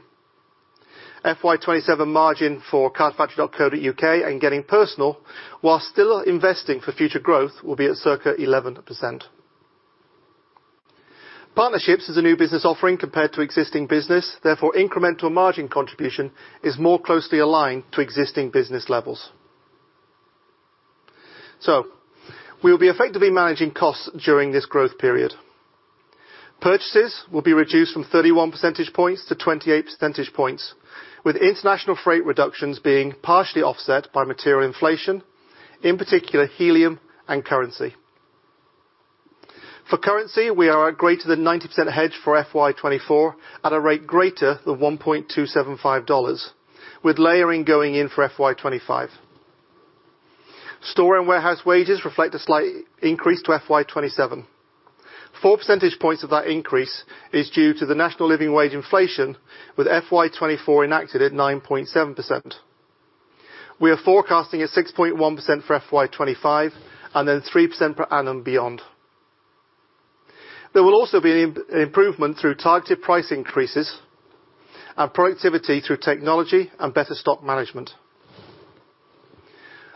H: FY 2027 margin for cardfactory.co.uk and Getting Personal, while still investing for future growth, will be at circa 11%. Partnerships is a new business offering compared to existing business, therefore, incremental margin contribution is more closely aligned to existing business levels. We will be effectively managing costs during this growth period. Purchases will be reduced from 31 percentage points to 28 percentage points, with international freight reductions being partially offset by material inflation, in particular, helium and currency. For currency, we are at greater than 90% hedge for FY 2024 at a rate greater than $1.275, with layering going in for FY 2025. Store and warehouse wages reflect a slight increase to FY 2027. 4 percentage points of that increase is due to the National Living Wage inflation, with FY 2024 enacted at 9.7%. We are forecasting at 6.1% for FY 2025 and then 3% per annum beyond. There will also be an improvement through targeted price increases and productivity through technology and better stock management.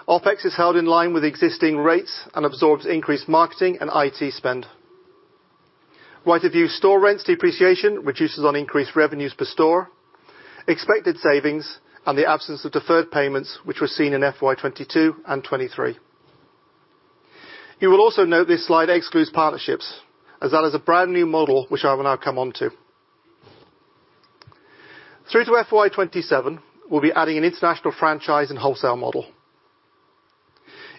H: OpEx is held in line with existing rates and absorbs increased marketing and IT spend. Right-of-use store rents depreciation reduces on increased revenues per store, expected savings and the absence of deferred payments which were seen in FY 2022 and 2023. You will also note this slide excludes partnerships as that is a brand new model which I will now come on to. Through to FY 2027, we'll be adding an international franchise and wholesale model.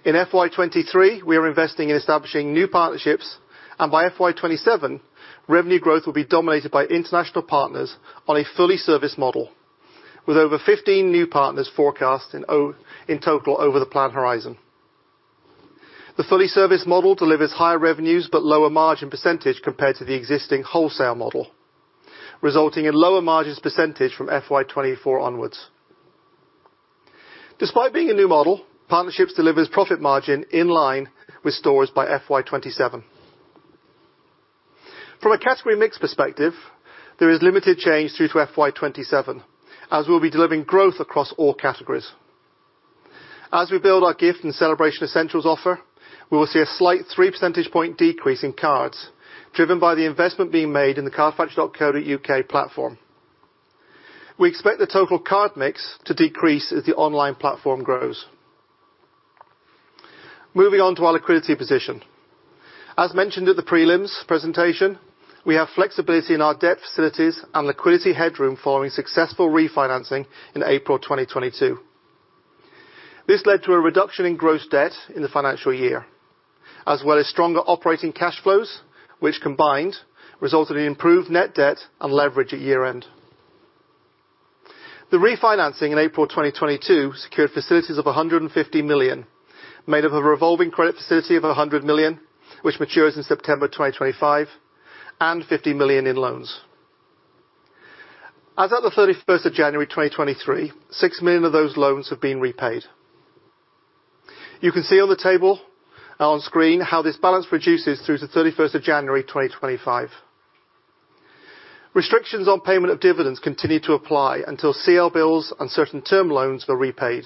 H: In FY 2023, we are investing in establishing new partnerships, and by FY 2027, revenue growth will be dominated by international partners on a fully serviced model, with over 15 new partners forecast in total over the planned horizon. The fully serviced model delivers higher revenues but lower margin percentage compared to the existing wholesale model, resulting in lower margins percentage from FY 2024 onwards. Despite being a new model, partnerships delivers profit margin in line with stores by FY 2027. From a category mix perspective, there is limited change through to FY 2027, as we'll be delivering growth across all categories. As we build our gift and celebration essentials offer, we will see a slight 3 percentage point decrease in cards, driven by the investment being made in the cardfactory.co.uk platform. We expect the total card mix to decrease as the online platform grows. Moving on to our liquidity position. As mentioned at the prelims presentation, we have flexibility in our debt facilities and liquidity headroom following successful refinancing in April 2022. This led to a reduction in gross debt in the financial year, as well as stronger operating cash flows, which combined resulted in improved net debt and leverage at year-end. The refinancing in April 2022 secured facilities of 150 million, made up of a revolving credit facility of 100 million, which matures in September 2025, and 50 million in loans. As at the 31st of January 2023, 6 million of those loans have been repaid. You can see on the table on screen how this balance reduces through to 31st of January 2025. Restrictions on payment of dividends continue to apply until CLBILS and certain term loans are repaid.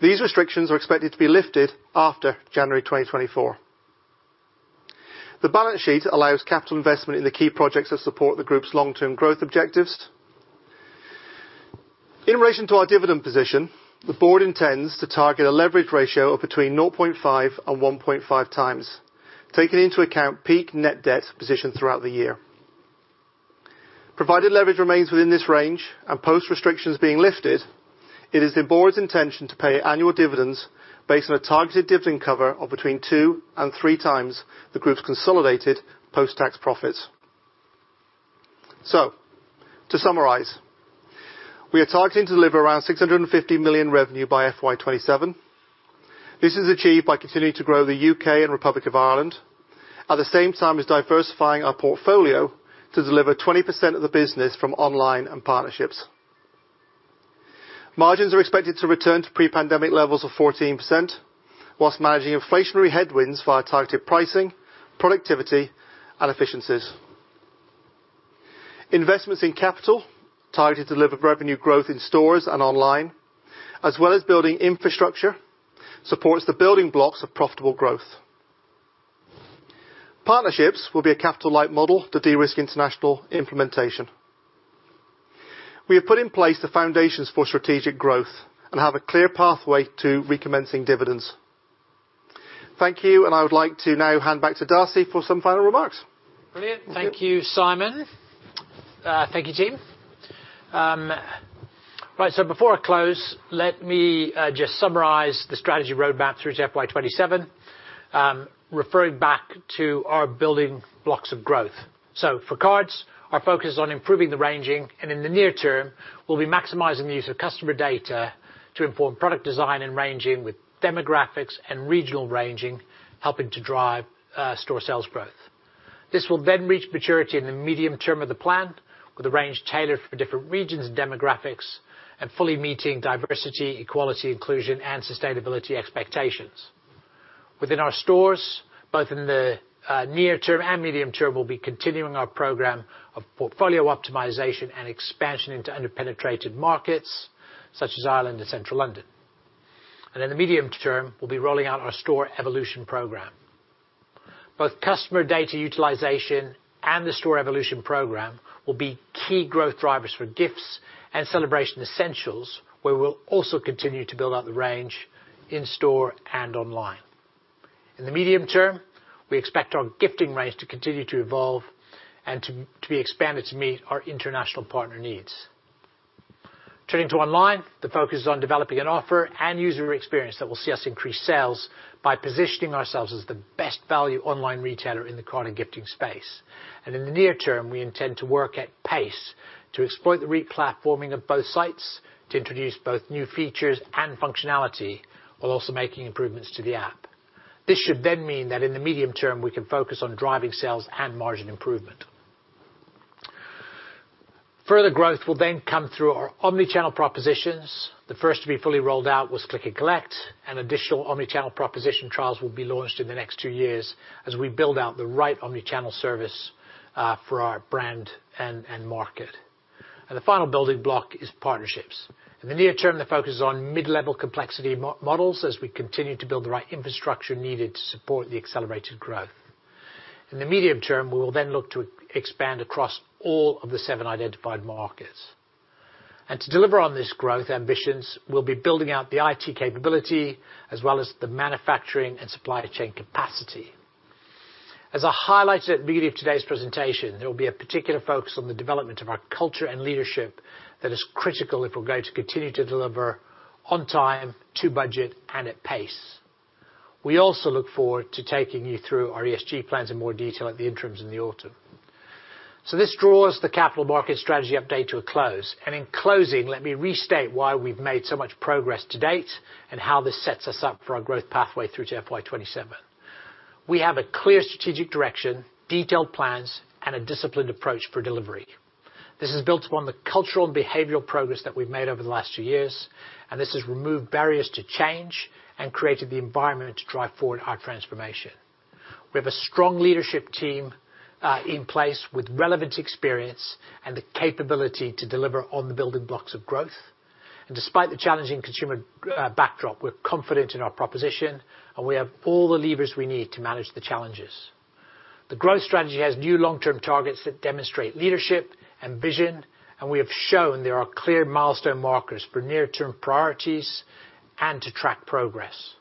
H: These restrictions are expected to be lifted after January 2024. The balance sheet allows capital investment in the key projects that support the group's long-term growth objectives. In relation to our dividend position, the board intends to target a leverage ratio of between 0.5x and 1.5x, taking into account peak net debt position throughout the year. Provided leverage remains within this range and post restrictions being lifted, it is the board's intention to pay annual dividends based on a targeted dividend cover of between 2x and 3x the group's consolidated post-tax profits. To summarize, we are targeting to deliver around 650 million revenue by FY 2027. This is achieved by continuing to grow the U.K. and Republic of Ireland, at the same time as diversifying our portfolio to deliver 20% of the business from online and partnerships. Margins are expected to return to pre-pandemic levels of 14% whilst managing inflationary headwinds via targeted pricing, productivity, and efficiencies. Investments in capital targeted to deliver revenue growth in stores and online, as well as building infrastructure, supports the building blocks of profitable growth. Partnerships will be a capital-light model to de-risk international implementation. We have put in place the foundations for strategic growth and have a clear pathway to recommencing dividends. Thank you, and I would like to now hand back to Darcy for some final remarks.
A: Brilliant. Thank you, Simon. Thank you, team. Right. Before I close, let me just summarize the strategy roadmap through to FY 2027, referring back to our building blocks of growth. For cards, our focus is on improving the ranging, and in the near term, we'll be maximizing the use of customer data to inform product design and ranging with demographics and regional ranging, helping to drive store sales growth. This will then reach maturity in the medium term of the plan with a range tailored for different regions and demographics and fully meeting diversity, equality, inclusion, and sustainability expectations. Within our stores, both in the near term and medium term, we'll be continuing our program of portfolio optimization and expansion into under-penetrated markets such as Ireland and Central London. In the medium term, we'll be rolling out our store evolution program. Both customer data utilization and the store evolution program will be key growth drivers for gifts and celebration essentials, where we'll also continue to build out the range in store and online. In the medium term, we expect our gifting range to continue to evolve and to be expanded to meet our international partner needs. Turning to online, the focus is on developing an offer and user experience that will see us increase sales by positioning ourselves as the best value online retailer in the card and gifting space. In the near term, we intend to work at pace to exploit the re-platforming of both sites to introduce both new features and functionality, while also making improvements to the app. This should then mean that in the medium term, we can focus on driving sales and margin improvement. Further growth will then come through our omni-channel propositions. The first to be fully rolled out was Click and Collect, and additional omni-channel proposition trials will be launched in the next two years as we build out the right omni-channel service for our brand and market. The final building block is partnerships. In the near term, the focus is on mid-level complexity models as we continue to build the right infrastructure needed to support the accelerated growth. In the medium term, we will then look to expand across all of the seven identified markets. To deliver on this growth ambitions, we'll be building out the IT capability as well as the manufacturing and supply chain capacity. As I highlighted at the beginning of today's presentation, there will be a particular focus on the development of our culture and leadership that is critical if we're going to continue to deliver on time, to budget, and at pace. We also look forward to taking you through our ESG plans in more detail at the interims in the autumn. This draws the capital market strategy update to a close. In closing, let me restate why we've made so much progress to date and how this sets us up for our growth pathway through to FY 2027. We have a clear strategic direction, detailed plans, and a disciplined approach for delivery. This is built upon the cultural and behavioral progress that we've made over the last two years, and this has removed barriers to change and created the environment to drive forward our transformation. We have a strong leadership team in place with relevant experience and the capability to deliver on the building blocks of growth. Despite the challenging consumer backdrop, we're confident in our proposition, and we have all the levers we need to manage the challenges. The growth strategy has new long-term targets that demonstrate leadership and vision, and we have shown there are clear milestone markers for near-term priorities and to track progress.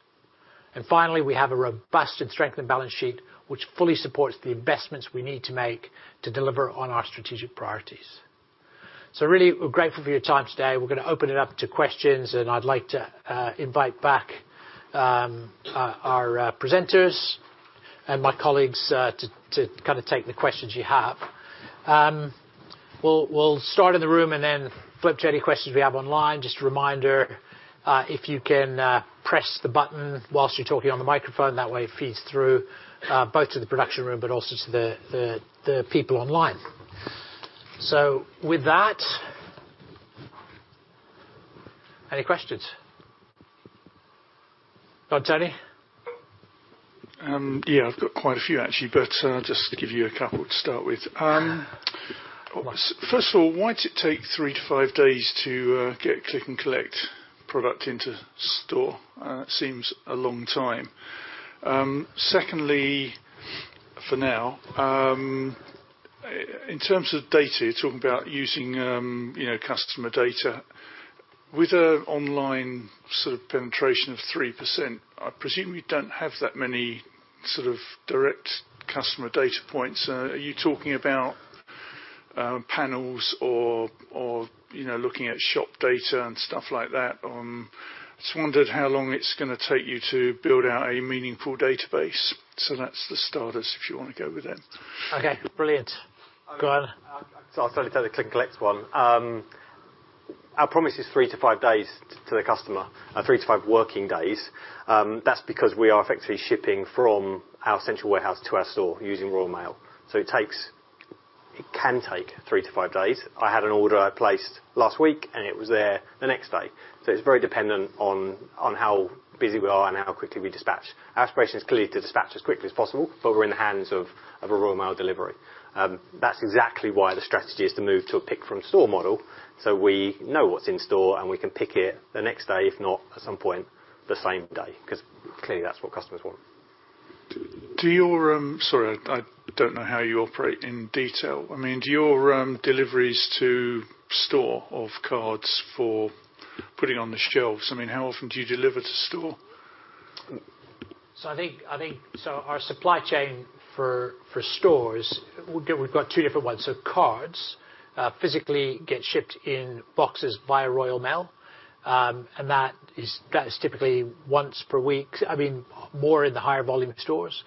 A: Finally, we have a robust and strengthened balance sheet, which fully supports the investments we need to make to deliver on our strategic priorities. Really, we're grateful for your time today. We're gonna open it up to questions, and I'd like to invite back our presenters and my colleagues to kinda take the questions you have. We'll start in the room and then flip to any questions we have online. Just a reminder, if you can, press the button whilst you're talking on the microphone, that way it feeds through, both to the production room but also to the people online. With that, any questions? Danny?
I: Yeah, I've got quite a few actually, just to give you two to start with. First of all, why does it take three-five days to get Click and Collect product into store? It seems a long time. Secondly, for now, in terms of data, you're talking about using, you know, customer data. With a online sort of penetration of 3%, I presume you don't have that many sort of direct customer data points. Are you talking about panels or, you know, looking at shop data and stuff like that? Just wondered how long it's gonna take you to build out a meaningful database. That's the starters, if you wanna go with it.
A: Okay, brilliant. Go ahead.
F: I'll start with the Click and Collect one. Our promise is three to five days to the customer, three to five working days. That's because we are effectively shipping from our central warehouse to our store using Royal Mail. It can take three to five days. I had an order I placed last week, and it was there the next day. It's very dependent on how busy we are and how quickly we dispatch. Our aspiration is clearly to dispatch as quickly as possible, but we're in the hands of a Royal Mail delivery. That's exactly why the strategy is to move to a pick from store model, so we know what's in store, and we can pick it the next day, if not at some point the same day, 'cause clearly that's what customers want.
I: Sorry, I don't know how you operate in detail. I mean, do your deliveries to store of cards for putting on the shelves, I mean, how often do you deliver to store?
A: Our supply chain for stores, we've got two different ones. Cards physically get shipped in boxes via Royal Mail, and that is typically once per week. I mean, more in the higher volume stores.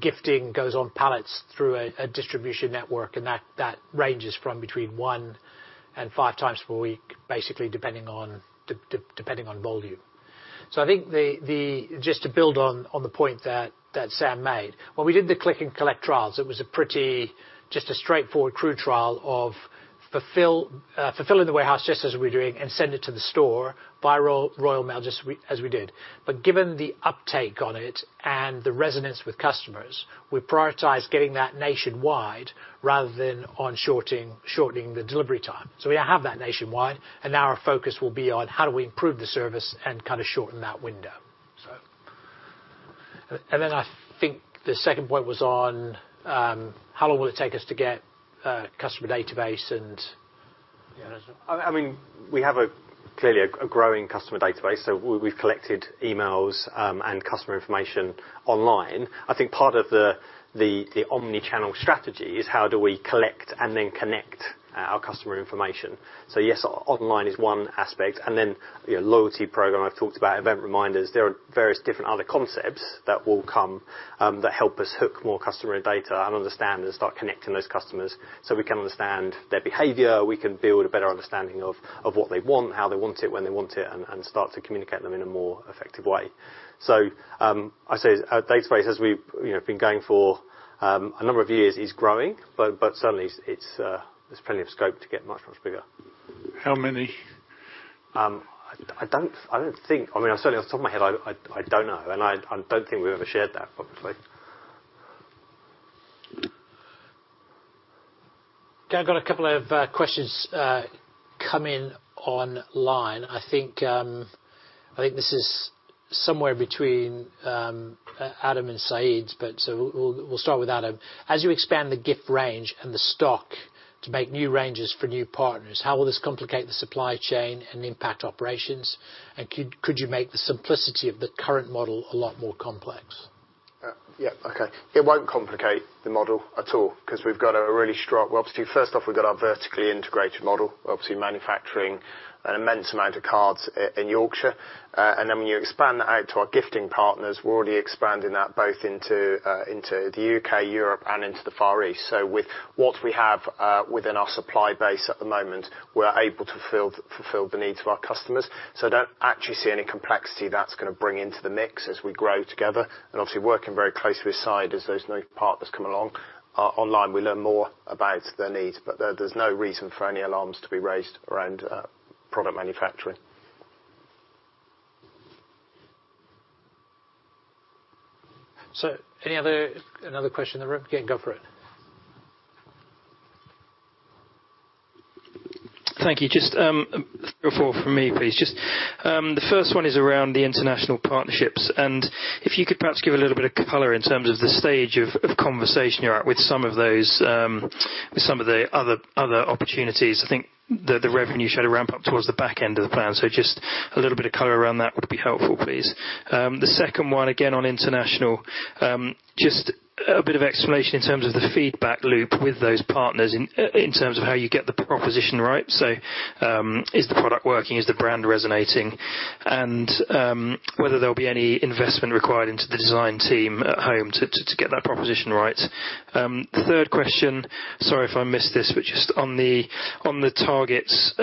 A: Gifting goes on pallets through a distribution network, and that ranges from between one and 5x per week, basically depending on volume. Just to build on the point that Sam made. When we did the Click and Collect trials, it was a pretty, just a straightforward crew trial of fulfill in the warehouse just as we're doing, and send it to the store via Royal Mail, just as we did. Given the uptake on it and the resonance with customers, we prioritize getting that nationwide rather than on shortening the delivery time. We have that nationwide, and now our focus will be on how do we improve the service and kinda shorten that window. I think the second point was on how long will it take us to get a customer database and, yeah.
G: I mean, we have clearly a growing customer database. We've collected emails, and customer information online. I think part of the omni-channel strategy is how do we collect and then connect our customer information. Yes, online is one aspect, and then, you know, loyalty program, I've talked about event reminders. There are various different other concepts that will come that help us hook more customer data and understand and start connecting those customers so we can understand their behavior, we can build a better understanding of what they want, how they want it, when they want it, and start to communicate them in a more effective way. I say our database, as we've, you know, been going for a number of years, is growing, but certainly there's plenty of scope to get much, much bigger.
I: How many?
G: I don't think I mean, certainly off the top of my head, I don't know, and I don't think we've ever shared that, probably.
A: Okay, I've got a couple of questions come in online. I think I think this is somewhere between Adam and Syed's, but so we'll start with Adam. As you expand the gift range and the stock to make new ranges for new partners, how will this complicate the supply chain and impact operations? Could you make the simplicity of the current model a lot more complex?
E: Yeah, okay. It won't complicate the model at all 'cause we've got a really strong. Well, obviously, first off, we've got our vertically integrated model. Obviously manufacturing an immense amount of cards in Yorkshire. And then when you expand that out to our gifting partners, we're already expanding that both into the U.K., Europe, and into the Far East. With what we have, within our supply base at the moment, we're able to fulfill the needs of our customers. I don't actually see any complexity that's gonna bring into the mix as we grow together and obviously working very closely with Syed as those new partners come along. Online, we learn more about their needs, but there's no reason for any alarms to be raised around product manufacturing.
A: Any other question in the room? Again, go for it.
I: Thank you. Just three or four from me, please. Just the first one is around the international partnerships, and if you could perhaps give a little bit of color in terms of the stage of conversation you're at with some of those with some of the other opportunities. I think the revenue showed a ramp up towards the back end of the plan. Just a little bit of color around that would be helpful, please. The second one, again, on international, just a bit of explanation in terms of the feedback loop with those partners in terms of how you get the proposition right. Is the product working? Is the brand resonating? Whether there'll be any investment required into the design team at home to get that proposition right. Third question, sorry if I missed this, but just on the, on the targets,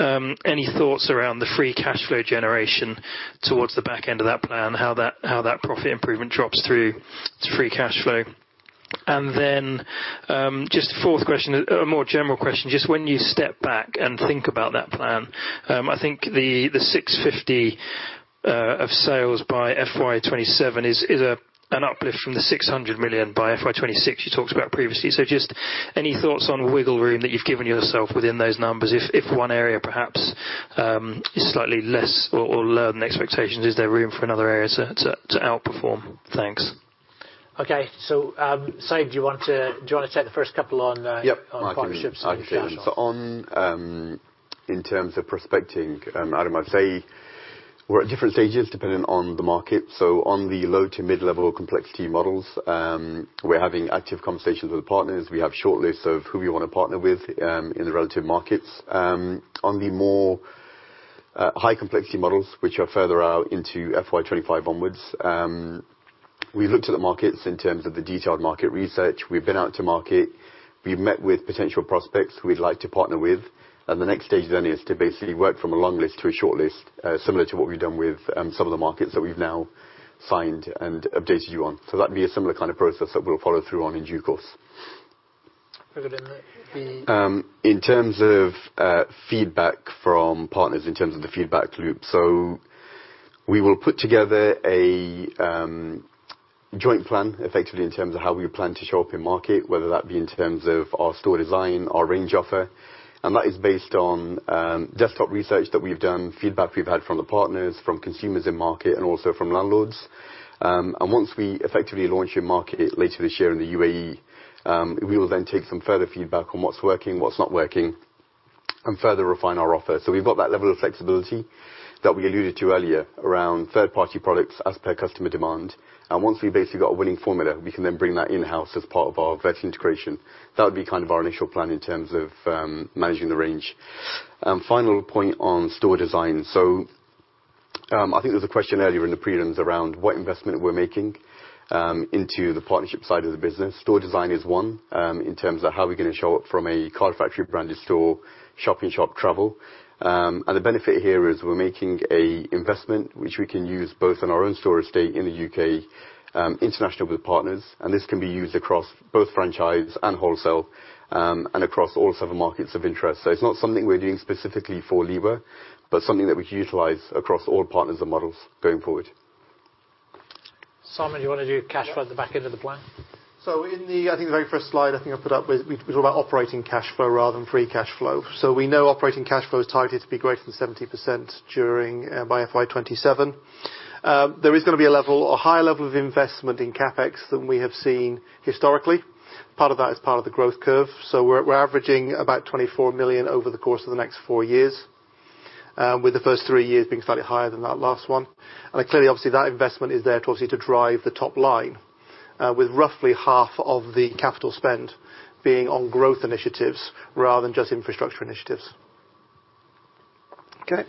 I: any thoughts around the free cash flow generation towards the back end of that plan? How that, how that profit improvement drops through to free cash flow. Just fourth question is a more general question. Just when you step back and think about that plan, I think the 650 million of sales by FY 2027 is an uplift from the 600 million by FY 2026 you talked about previously. Just any thoughts on wiggle room that you've given yourself within those numbers? If, if one area perhaps, is slightly less or lower than expectations, is there room for another area to outperform? Thanks.
A: Okay. Syed, do you wanna take the first couple on partnerships and cash flow?
G: I can do them. In terms of prospecting, Adam, I'd say we're at different stages depending on the market. On the low to mid-level complexity models, we're having active conversations with partners. We have shortlists of who we wanna partner with in the relative markets. On the more high complexity models, which are further out into FY 2025 onwards, we've looked at the markets in terms of the detailed market research. We've been out to market. We've met with potential prospects who we'd like to partner with. The next stage then is to basically work from a long list to a shortlist, similar to what we've done with some of the markets that we've now signed and updated you on. That'd be a similar kind of process that we'll follow through on in due course. In terms of feedback from partners, in terms of the feedback loop. We will put together a joint plan, effectively, in terms of how we plan to show up in market, whether that be in terms of our store design, our range offer. That is based on desktop research that we've done, feedback we've had from the partners, from consumers in market, and also from landlords. Once we effectively launch in market later this year in the UAE, we will then take some further feedback on what's working, what's not working, and further refine our offer. We've got that level of flexibility that we alluded to earlier around third-party products as per customer demand. Once we basically got a winning formula, we can then bring that in-house as part of our vertical integration. That would be kind of our initial plan in terms of managing the range. Final point on store design. I think there was a question earlier in the prelims around what investment we're making into the partnership side of the business. Store design is one in terms of how we're gonna show up from a Card Factory branded store, shop-in-shop travel. The benefit here is we're making an investment which we can use both on our own store estate in the U.K., international with partners, and this can be used across both franchise and wholesale, and across all seven markets of interest. It's not something we're doing specifically for Liberum, but something that we can utilize across all partners and models going forward.
A: Simon, do you wanna do cash flow at the back end of the plan?
H: In the very first slide, I think I put up was we talk about operating cash flow rather than free cash flow. We know operating cash flow is targeted to be greater than 70% during by FY 2027. There is gonna be a level, a higher level of investment in CapEx than we have seen historically.
F: Part of that is part of the growth curve. We're averaging about 24 million over the course of the next four years, with the first three years being slightly higher than that last one. Clearly, obviously, that investment is there to obviously to drive the top line, with roughly half of the capital spend being on growth initiatives rather than just infrastructure initiatives.
A: Then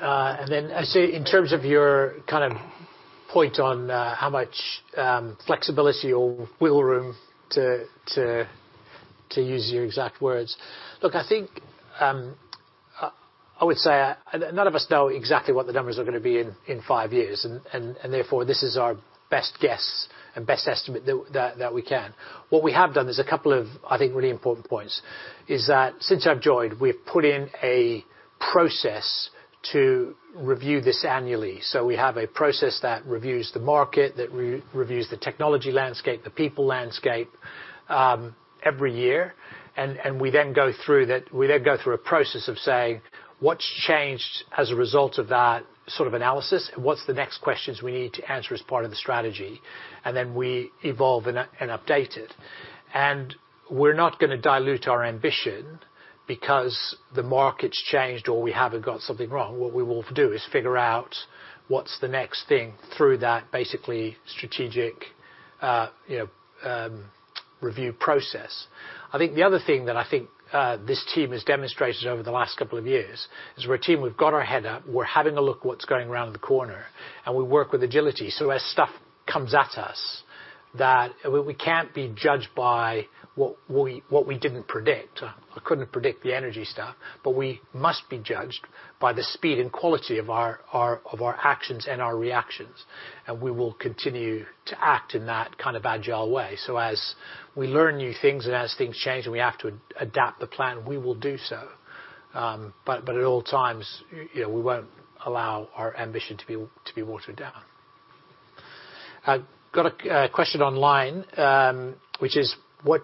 A: I say in terms of your kind of point on how much flexibility or wiggle room to use your exact words. Look, I think, I would say none of us know exactly what the numbers are gonna be in five years, and therefore this is our best guess and best estimate that we can. What we have done is a couple of, I think, really important points, is that since I've joined, we've put in a process to review this annually. We have a process that reviews the market, that re-reviews the technology landscape, the people landscape, every year. We then go through a process of saying, what's changed as a result of that sort of analysis, and what's the next questions we need to answer as part of the strategy? We evolve and update it. We're not gonna dilute our ambition because the market's changed or we haven't got something wrong. What we will do is figure out what's the next thing through that basically strategic, you know, review process. I think the other thing that I think this team has demonstrated over the last couple of years is we're a team, we've got our head up, we're having a look what's going around the corner, and we work with agility. As stuff comes at us, that we can't be judged by what we, what we didn't predict. I couldn't predict the energy stuff. We must be judged by the speed and quality of our actions and our reactions. We will continue to act in that kind of agile way. As we learn new things and as things change and we have to adapt the plan, we will do so. At all times, you know, we won't allow our ambition to be watered down. I've got a question online, which is, what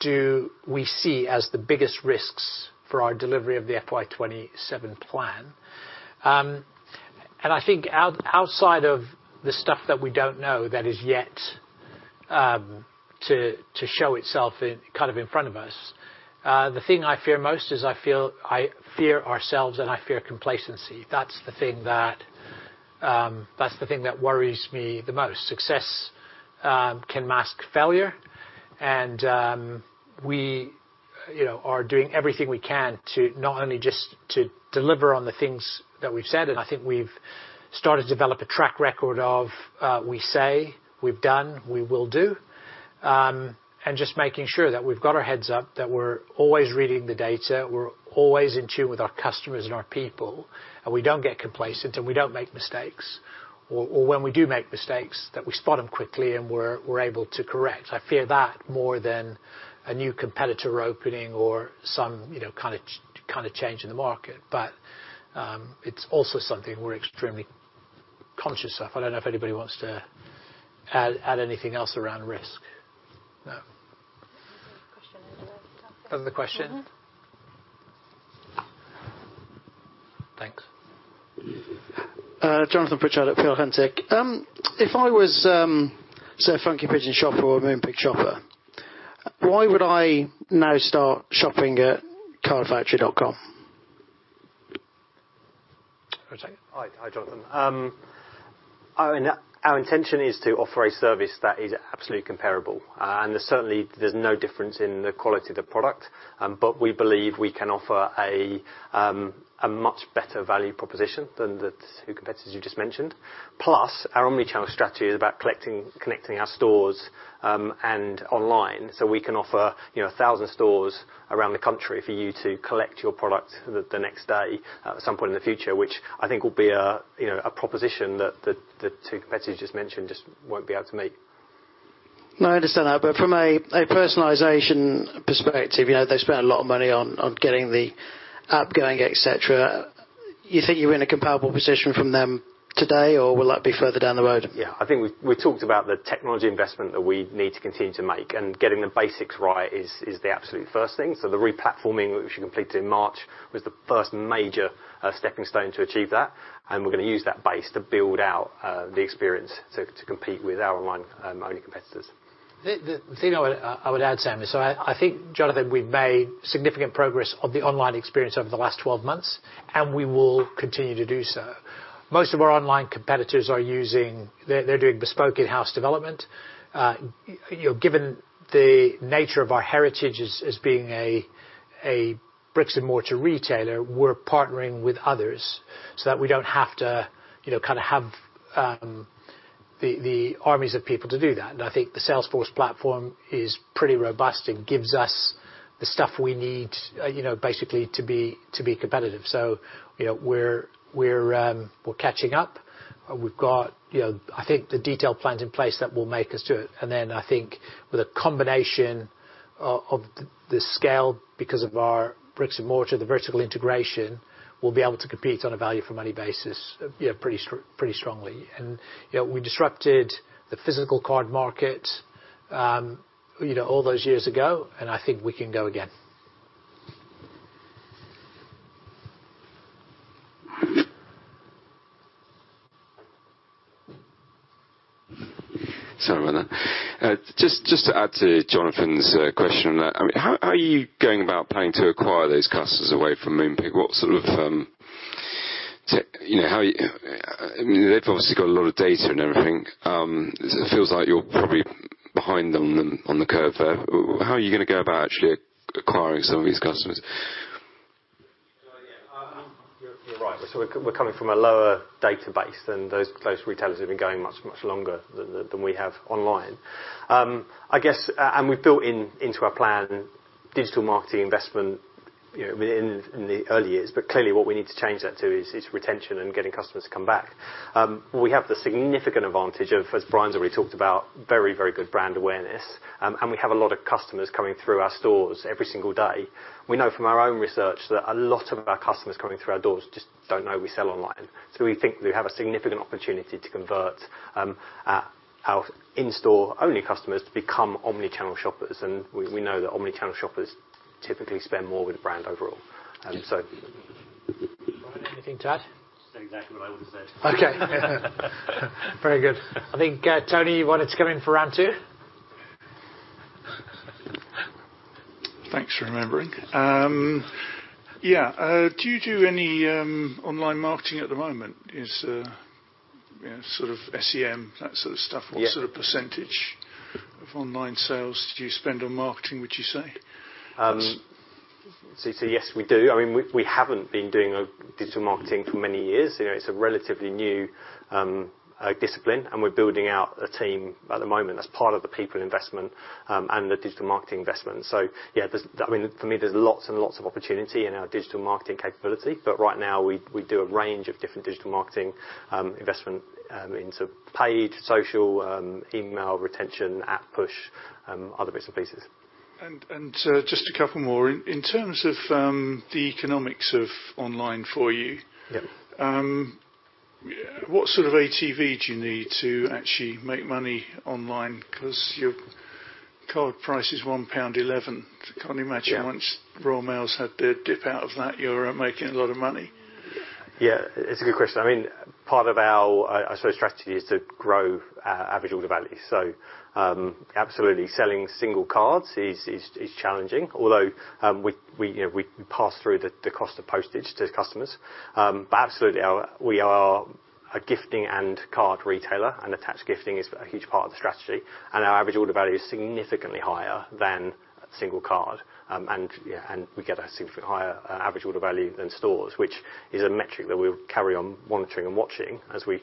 A: do we see as the biggest risks for our delivery of the FY 2027 plan? I think outside of the stuff that we don't know that is yet to show itself in kind of in front of us, the thing I fear most is I fear ourselves and I fear complacency. That's the thing that's the thing that worries me the most. Success can mask failure, and we, you know, are doing everything we can to not only just to deliver on the things that we've said, and I think we've started to develop a track record of, we say, we've done, we will do, and just making sure that we've got our heads up, that we're always reading the data, we're always in tune with our customers and our people, and we don't get complacent and we don't make mistakes. Or when we do make mistakes, that we spot 'em quickly and we're able to correct. I fear that more than a new competitor opening or some, you know, kinda change in the market. It's also something we're extremely conscious of. I don't know if anybody wants to add anything else around risk. No. There's a question in the back. Another question? Thanks.
J: Jonathan Pritchard at Peel Hunt. If I was, say, a Funky Pigeon shopper or a Moonpig shopper, why would I now start shopping at cardfactory.com?
F: Hi, Jonathan. Our intention is to offer a service that is absolutely comparable. Certainly there's no difference in the quality of the product, we believe we can offer a much better value proposition than the two competitors you just mentioned. Plus, our omni-channel strategy is about connecting our stores and online, we can offer, you know, 1,000 stores around the country for you to collect your product the next day at some point in the future, which I think will be a, you know, a proposition that the two competitors just mentioned just won't be able to meet.
J: No, I understand that. From a personalization perspective, you know, they spend a lot of money on getting the app going, et cetera. You think you're in a comparable position from them today, or will that be further down the road?
F: Yeah. I think we've talked about the technology investment that we need to continue to make, and getting the basics right is the absolute first thing. The replatforming, which we completed in March, was the first major stepping stone to achieve that. We're gonna use that base to build out the experience to compete with our online only competitors.
A: The thing I would add, Sam, is I think, Jonathan, we've made significant progress of the online experience over the last 12 months, and we will continue to do so. Most of our online competitors, they're doing bespoke in-house development. You know, given the nature of our heritage as being a bricks-and-mortar retailer, we're partnering with others so that we don't have to, you know, kinda have the armies of people to do that. I think the Salesforce platform is pretty robust and gives us the stuff we need, you know, basically to be competitive. You know, we're catching up. We've got, you know, I think the detailed plans in place that will make us do it. I think with a combination of the scale, because of our bricks and mortar, the vertical integration, we'll be able to compete on a value for money basis, you know, pretty strongly. You know, we disrupted the physical card market, you know, all those years ago, and I think we can go again.
I: Sorry about that. Just to add to Jonathan's question, I mean, how are you going about planning to acquire those customers away from Moonpig? What sort of, you know, I mean, they've obviously got a lot of data and everything. It feels like you're probably behind on them on the curve there. How are you gonna go about actually acquiring some of these customers?
F: Yeah, you're right. We're coming from a lower database than those retailers who've been going much longer than we have online. I guess, and we've built into our plan digital marketing investment, you know, in the early years. Clearly what we need to change that to is retention and getting customers to come back. We have the significant advantage of, as Brian's already talked about, very good brand awareness. And we have a lot of customers coming through our stores every single day. We know from our own research that a lot of our customers coming through our doors just don't know we sell online. We think we have a significant opportunity to convert our in-store only customers to become omni-channel shoppers. We know that omni-channel shoppers typically spend more with the brand overall.
A: Brian, anything to add?
C: That's exactly what I would've said.
A: Okay. Very good. I think, Tony, you wanted to come in for round two?
I: Thanks for remembering. Do you do any online marketing at the moment? Is sort of SEM, that sort of stuff? What sort of percentage of online sales do you spend on marketing, would you say?
F: Yes, we do. I mean, we haven't been doing digital marketing for many years. You know, it's a relatively new discipline, and we're building out a team at the moment as part of the people investment and the digital marketing investment. Yeah, there's. I mean, for me, there's lots and lots of opportunity in our digital marketing capability. Right now we do a range of different digital marketing investment into paid, social, email, retention, app push, other bits and pieces.
I: Just a couple more. In terms of the economics of online for you--
F: Yeah.
I: What sort of ATV do you need to actually make money online? Your card price is 1.11 pound. I can't imagine how much Royal Mail's had to dip out of that? You're making a lot of money.
F: Yeah, it's a good question. I mean, part of our strategy is to grow our average order value. Absolutely selling single cards is challenging, although we, you know, we pass through the cost of postage to customers. Absolutely our-- We are a gifting and card retailer, and attached gifting is a huge part of the strategy, and our average order value is significantly higher than a single card. Yeah, we get a significantly higher average order value than stores, which is a metric that we'll carry on monitoring and watching as we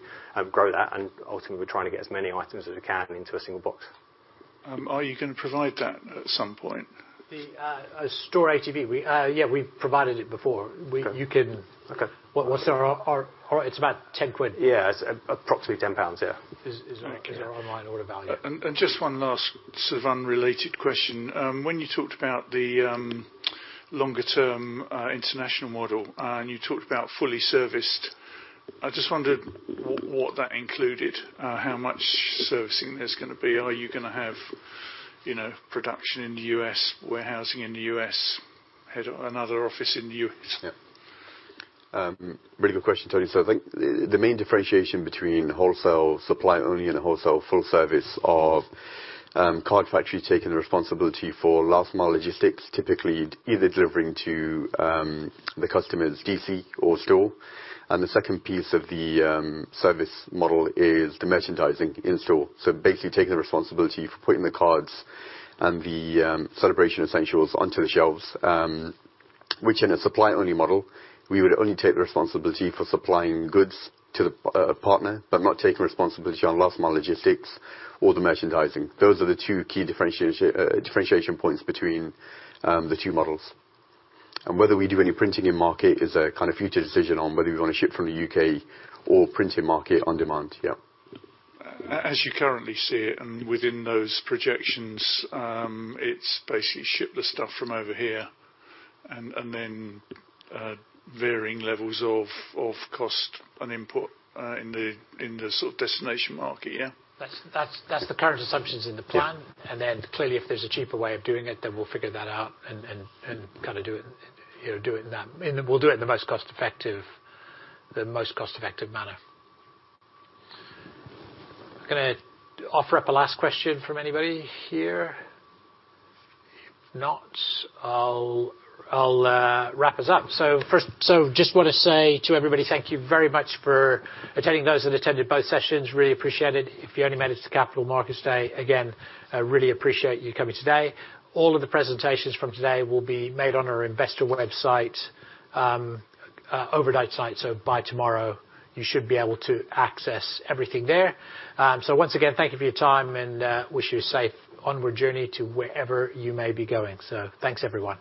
F: grow that, ultimately we're trying to get as many items as we can into a single box.
I: Are you gonna provide that at some point?
A: The store ATV. We, yeah, we've provided it before.
I: Okay.
A: What's our? Our. It's about 10 quid.
F: Yeah. It's approximately 10 pounds, yeah.
I: And just one last sort of unrelated question. When you talked about the longer term international model and you talked about fully serviced, I just wondered what that included. How much servicing there's gonna be. Are you gonna have, you know, production in the U.S., warehousing in the U.S., another office in the U.S.?
F: Really good question, Tony. I think the main differentiation between wholesale supply only and a wholesale full service of Card Factory taking responsibility for last mile logistics, typically either delivering to the customer's DC or store. The second piece of the service model is the merchandising in-store. Basically taking the responsibility for putting the cards and the celebration essentials onto the shelves, which in a supply-only model, we would only take the responsibility for supplying goods to the partner, but not taking responsibility on last mile logistics or the merchandising. Those are the two key differentiation points between the two models. Whether we do any printing in market is a kind of future decision on whether we wanna ship from the U.K. or print in market on demand.
I: As you currently see it, and within those projections, it's basically ship the stuff from over here and then, varying levels of cost and import, in the sort of destination market, yeah?
A: That's the current assumptions in the plan. Clearly, if there's a cheaper way of doing it, then we'll figure that out and kind of do it, you know, do it in that. We'll do it in the most cost effective manner. Can I offer up a last question from anybody here? If not, I'll wrap us up. Just wanna say to everybody thank you very much for attending. Those that attended both sessions, really appreciate it. If you only managed the Capital Markets Day, again, I really appreciate you coming today. All of the presentations from today will be made on our investor website, overnight site. By tomorrow you should be able to access everything there. Once again, thank you for your time, and wish you a safe onward journey to wherever you may be going. Thanks, everyone.